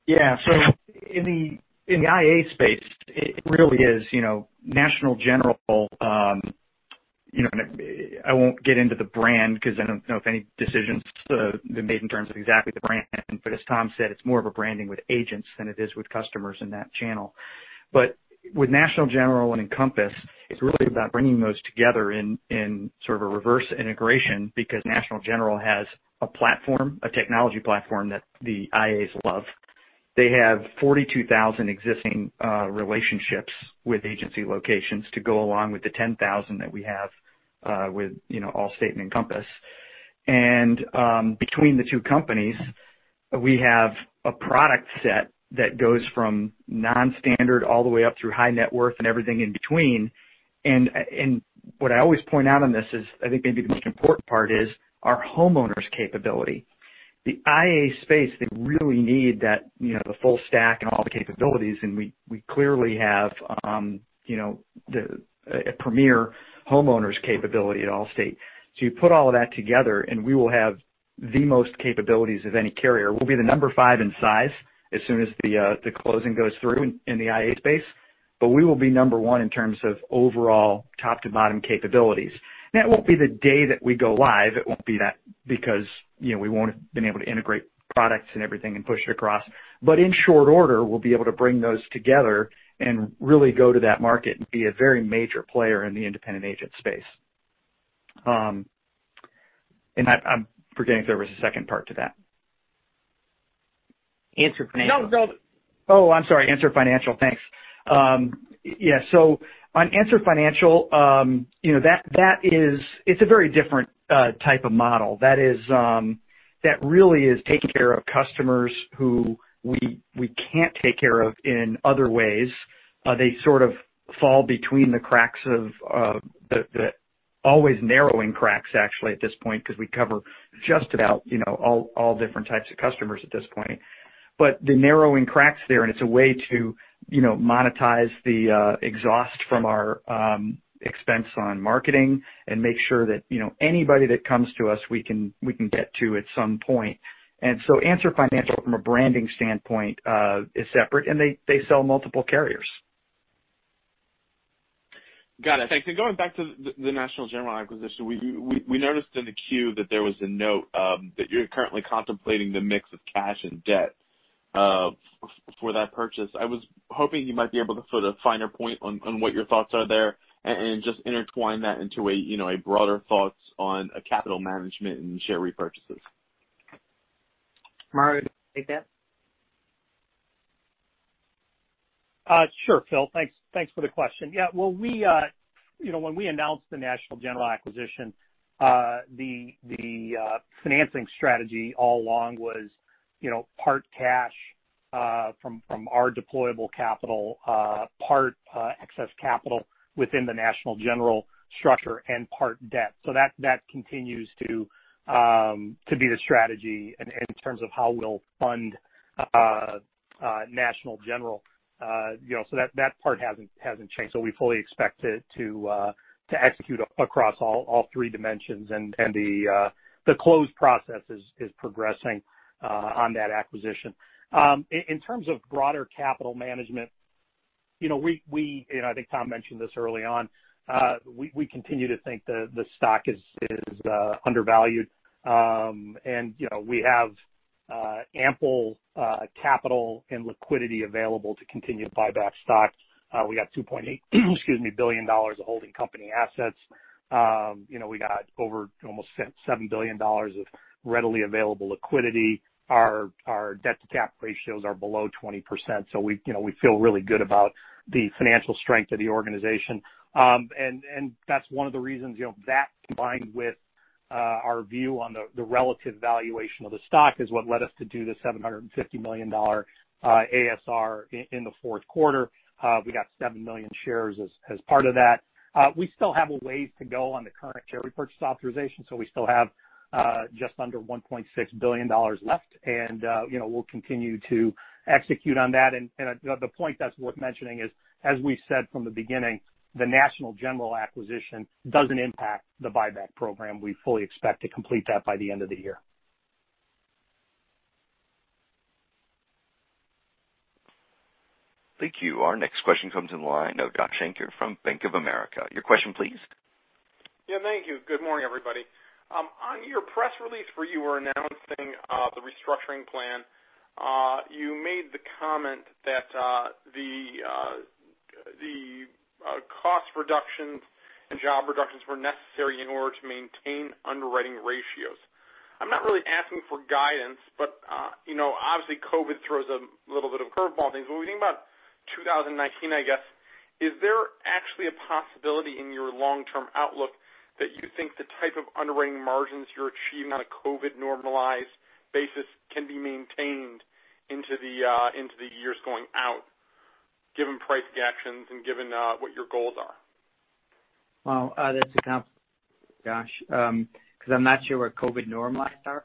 Yeah. So in the IA space. It really is National General. I won't get into the brand because I don't know if any decisions have been made in terms of exactly the brand, but as Tom said, it's more of a branding with agents than it is with customers in that channel, but with National General and Encompass, it's really about bringing those together in sort of a reverse integration because National General has a platform, a technology platform that the IAs love. They have 42,000 existing relationships with agency locations to go along with the 10,000 that we have with Allstate and Encompass. And between the two companies, we have a product set that goes from non-standard all the way up through high net worth and everything in between, and what I always point out on this is I think maybe the most important part is our homeowners' capability. The IA space, they really need the full stack and all the capabilities, and we clearly have a premier homeowners' capability at Allstate. So you put all of that together, and we will have the most capabilities of any carrier. We'll be the number five in size as soon as the closing goes through in the IA space, but we will be number one in terms of overall top-to-bottom capabilities. That won't be the day that we go live. It won't be that because we won't have been able to integrate products and everything and push it across. In short order, we'll be able to bring those together and really go to that market and be a very major player in the independent agent space. I'm forgetting if there was a second part to that. Answer Financial. No, no. Oh, I'm sorry. Answer Financial. Thanks. Yeah. So on Answer Financial, that is it's a very different type of model. That really is taking care of customers who we can't take care of in other ways. They sort of fall between the cracks of the always narrowing cracks, actually, at this point because we cover just about all different types of customers at this point. But the narrowing cracks there, and it's a way to monetize the exhaust from our expense on marketing and make sure that anybody that comes to us, we can get to at some point. And so Answer Financial, from a branding standpoint, is separate, and they sell multiple carriers. Got it. Thanks, and going back to the National General acquisition, we noticed in the queue that there was a note that you're currently contemplating the mix of cash and debt for that purchase. I was hoping you might be able to put a finer point on what your thoughts are there and just intertwine that into a broader thought on capital management and share repurchases. Mario. Take that. Sure, Phil. Thanks for the question. Yeah. Well, when we announced the National General acquisition, the financing strategy all along was part cash from our deployable capital, part excess capital within the National General structure, and part debt. So that continues to be the strategy in terms of how we'll fund National General. So that part hasn't changed. So we fully expect to execute across all three dimensions, and the close process is progressing on that acquisition. In terms of broader capital management, I think Tom mentioned this early on. We continue to think the stock is undervalued, and we have ample capital and liquidity available to continue to buy back stock. We got $2.8 billion of holding company assets. We got over almost $7 billion of readily available liquidity. Our debt-to-cap ratios are below 20%. We feel really good about the financial strength of the organization. And that's one of the reasons that, combined with our view on the relative valuation of the stock, is what led us to do the $750 million ASR in the fourth quarter. We got seven million shares as part of that. We still have a ways to go on the current share repurchase authorization, so we still have just under $1.6 billion left, and we'll continue to execute on that. And the point that's worth mentioning is, as we've said from the beginning, the National General acquisition doesn't impact the buyback program. We fully expect to complete that by the end of the year. Thank you. Our next question comes in line of Joshua Shanker from Bank of America. Your question, please. Yeah. Thank you. Good morning, everybody. On your press release where you were announcing the restructuring plan, you made the comment that the cost reductions and job reductions were necessary in order to maintain underwriting ratios. I'm not really asking for guidance, but obviously, COVID throws a little bit of curveball on things. When we think about 2019, I guess, is there actually a possibility in your long-term outlook that you think the type of underwriting margins you're achieving on a COVID-normalized basis can be maintained into the years going out, given price reactions and given what your goals are? Well, that's a complex question because I'm not sure what COVID-normalized are.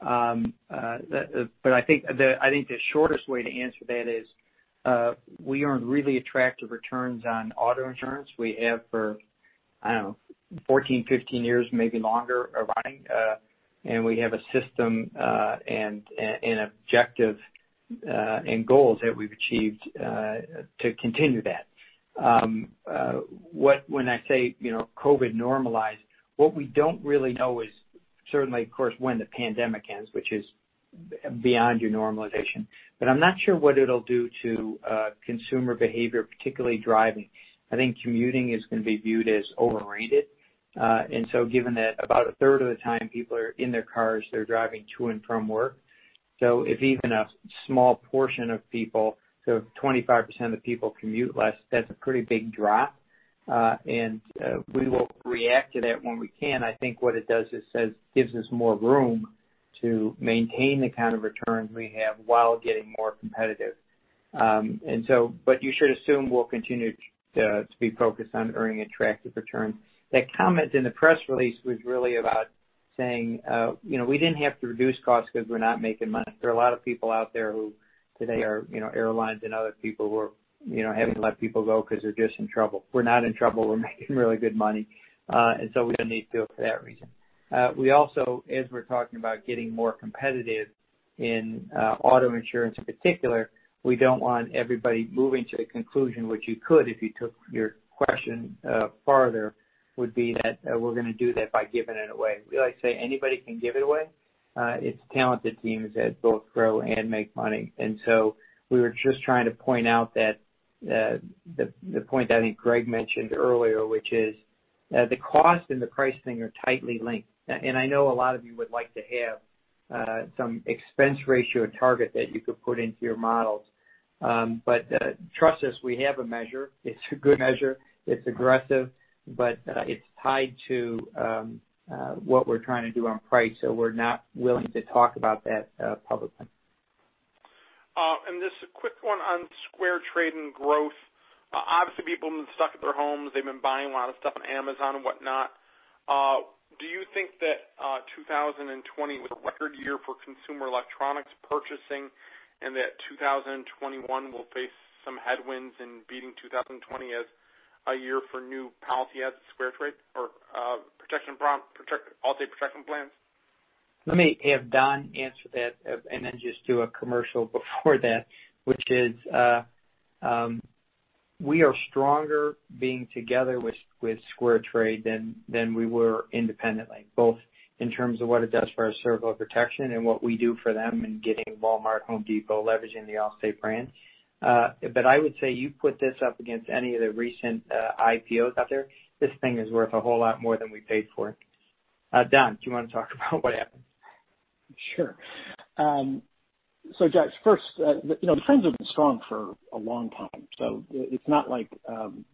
But I think the shortest way to answer that is we earned really attractive returns on auto insurance. We have for, I don't know, 14, 15 years, maybe longer running, and we have a system and objectives and goals that we've achieved to continue that. When I say COVID-normalized, what we don't really know is certainly, of course, when the pandemic ends, which is beyond your normalization. But I'm not sure what it'll do to consumer behavior, particularly driving. I think commuting is going to be viewed as overrated. And so given that about a third of the time, people are in their cars, they're driving to and from work. So if even a small portion of people, so 25% of the people commute less, that's a pretty big drop. We will react to that when we can. I think what it does is gives us more room to maintain the kind of returns we have while getting more competitive. But you should assume we'll continue to be focused on earning attractive returns. That comment in the press release was really about saying, "We didn't have to reduce costs because we're not making money." There are a lot of people out there who today are airlines and other people who are having a lot of people go because they're just in trouble. We're not in trouble. We're making really good money. And so we don't need to do it for that reason. We also, as we're talking about getting more competitive in auto insurance in particular, we don't want everybody moving to the conclusion, which you could if you took your question farther, would be that we're going to do that by giving it away. We like to say anybody can give it away. It's talented teams that both grow and make money, and so we were just trying to point out that the point that I think Greg mentioned earlier, which is the cost and the price thing are tightly linked, and I know a lot of you would like to have some expense ratio target that you could put into your models, but trust us, we have a measure. It's a good measure. It's aggressive, but it's tied to what we're trying to do on price, so we're not willing to talk about that publicly. And this quick one on SquareTrade and growth. Obviously, people have been stuck at their homes. They've been buying a lot of stuff on Amazon and whatnot. Do you think that 2020 was a record year for consumer electronics purchasing and that 2021 will face some headwinds in beating 2020 as a year for new policies at SquareTrade or Allstate Protection Plans? Let me have Don answer that and then just do a commercial before that, which is we are stronger being together with SquareTrade than we were independently, both in terms of what it does for our service protection and what we do for them in getting Walmart, Home Depot, leveraging the Allstate brand. But I would say you put this up against any of the recent IPOs out there, this thing is worth a whole lot more than we paid for it. Don, do you want to talk about what happened? Sure. So Josh, first, the trends have been strong for a long time. So it's not like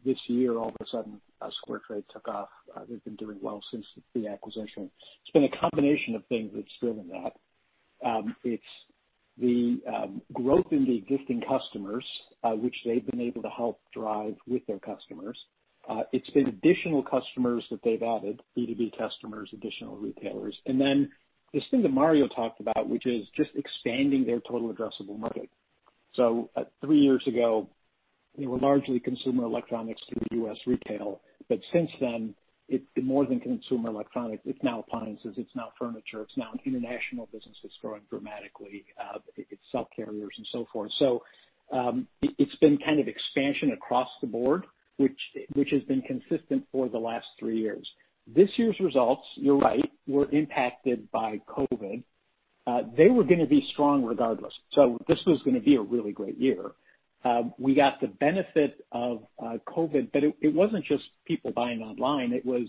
this year, all of a sudden, SquareTrade took off. They've been doing well since the acquisition. It's been a combination of things that's driven that. It's the growth in the existing customers, which they've been able to help drive with their customers. It's been additional customers that they've added, B2B customers, additional retailers. And then this thing that Mario talked about, which is just expanding their total addressable market. So three years ago, they were largely consumer electronics to the U.S. retail. But since then, it's more than consumer electronics. It's now appliances. It's now furniture. It's now an international business that's growing dramatically. It's cell carriers and so forth. So it's been kind of expansion across the board, which has been consistent for the last three years. This year's results, you're right, were impacted by COVID. They were going to be strong regardless. So this was going to be a really great year. We got the benefit of COVID, but it wasn't just people buying online. It was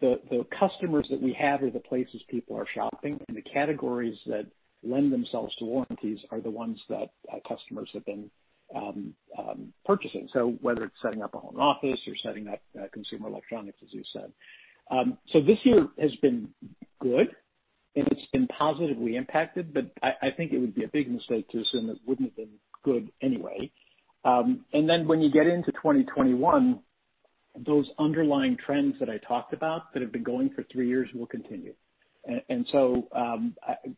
the customers that we have are the places people are shopping, and the categories that lend themselves to warranties are the ones that customers have been purchasing. So whether it's setting up a home office or setting up consumer electronics, as you said. So this year has been good, and it's been positively impacted, but I think it would be a big mistake to assume it wouldn't have been good anyway. And then when you get into 2021, those underlying trends that I talked about that have been going for three years will continue. And so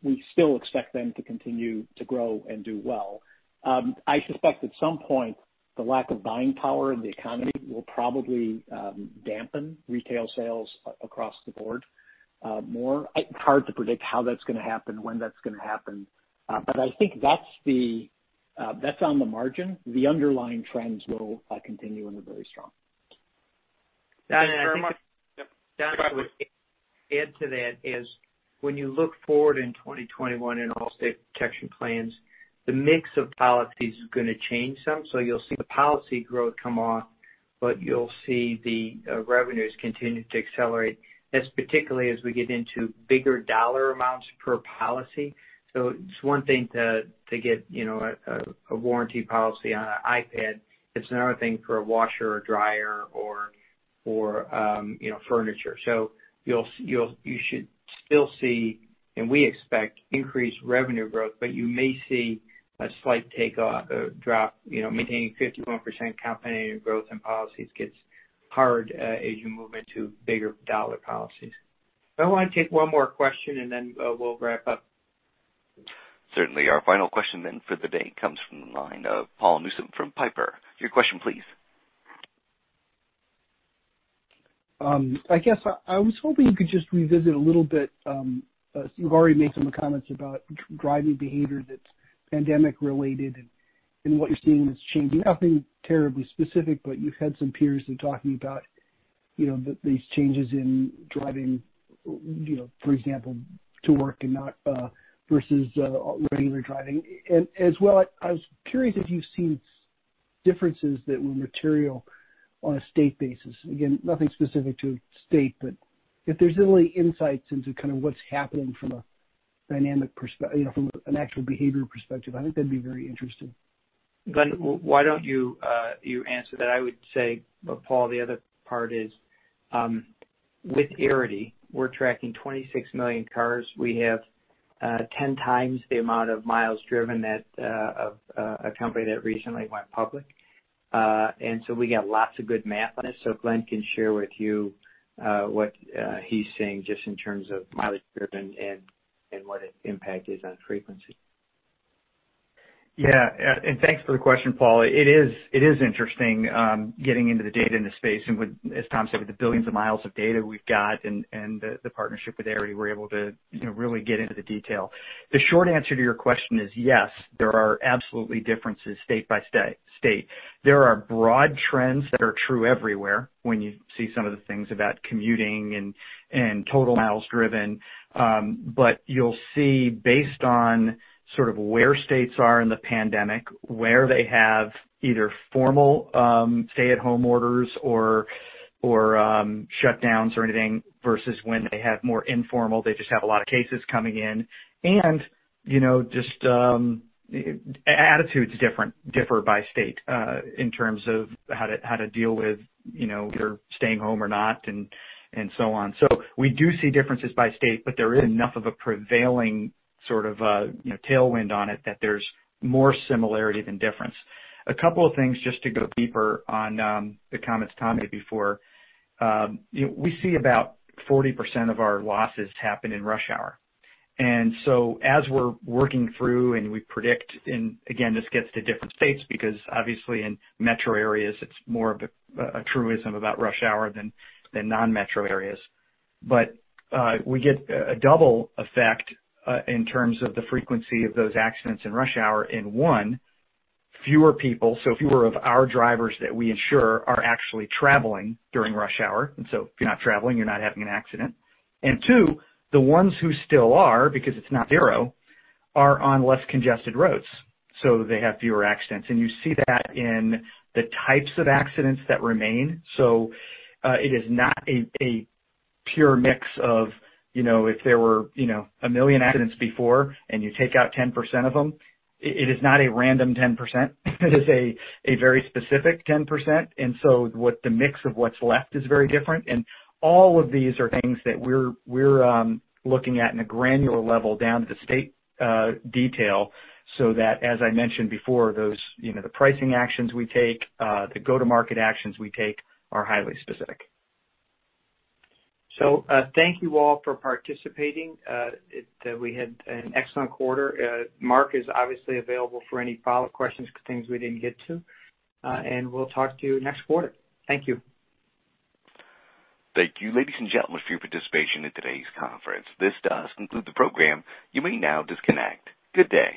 we still expect them to continue to grow and do well. I suspect at some point, the lack of buying power in the economy will probably dampen retail sales across the board more. It's hard to predict how that's going to happen, when that's going to happen, but I think that's on the margin. The underlying trends will continue and are very strong. Thank you very much. Yep. Don, I would add to that is when you look forward in 2021 in Allstate Protection Plans, the mix of policies is going to change some. So you'll see the policy growth come off, but you'll see the revenues continue to accelerate, particularly as we get into bigger dollar amounts per policy. So it's one thing to get a warranty policy on an iPad. It's another thing for a washer or dryer or furniture. So you should still see, and we expect, increased revenue growth, but you may see a slight drop. Maintaining 51% compounding growth in policies gets hard as you move into bigger dollar policies. I want to take one more question, and then we'll wrap up. Certainly. Our final question then for the day comes from the line of Paul Newsome from Piper Sandler. Your question, please. I guess I was hoping you could just revisit a little bit. You've already made some comments about driving behavior that's pandemic-related and what you're seeing that's changing. Nothing terribly specific, but you've had some peers talking about these changes in driving, for example, to work versus regular driving. And as well, I was curious if you've seen differences that were material on a state basis. Again, nothing specific to a state, but if there's any insights into kind of what's happening from a dynamic perspective, from an actual behavior perspective, I think that'd be very interesting. Glenn, why don't you answer that? I would say, Paul, the other part is with Arity, we're tracking 26 million cars. We have 10 times the amount of miles driven of a company that recently went public. And so we got lots of good math on it. So Glenn can share with you what he's seeing just in terms of mileage driven and what its impact is on frequency. Yeah. And thanks for the question, Paul. It is interesting getting into the data in the space. And as Tom said, with the billions of miles of data we've got and the partnership with Arity, we're able to really get into the detail. The short answer to your question is yes, there are absolutely differences state by state. There are broad trends that are true everywhere when you see some of the things about commuting and total miles driven. But you'll see, based on sort of where states are in the pandemic, where they have either formal stay-at-home orders or shutdowns or anything versus when they have more informal, they just have a lot of cases coming in. And just attitudes differ by state in terms of how to deal with either staying home or not and so on. So we do see differences by state, but there is enough of a prevailing sort of tailwind on it that there's more similarity than difference. A couple of things just to go deeper on the comments Tom made before. We see about 40% of our losses happen in rush hour, and so as we're working through and we predict, and again, this gets to different states because obviously in metro areas, it's more of a truism about rush hour than non-metro areas, but we get a double effect in terms of the frequency of those accidents in rush hour, and one, fewer people, so fewer of our drivers that we insure are actually traveling during rush hour, and so if you're not traveling, you're not having an accident, and two, the ones who still are, because it's not zero, are on less congested roads, so they have fewer accidents. And you see that in the types of accidents that remain. So it is not a pure mix of if there were a million accidents before and you take out 10% of them. It is not a random 10%. It is a very specific 10%. And so the mix of what's left is very different. And all of these are things that we're looking at in a granular level down to the state detail so that, as I mentioned before, the pricing actions we take, the go-to-market actions we take are highly specific. So thank you all for participating. We had an excellent quarter. Mark is obviously available for any follow-up questions, things we didn't get to. And we'll talk to you next quarter. Thank you. Thank you, ladies and gentlemen, for your participation in today's conference. This does conclude the program. You may now disconnect. Good day.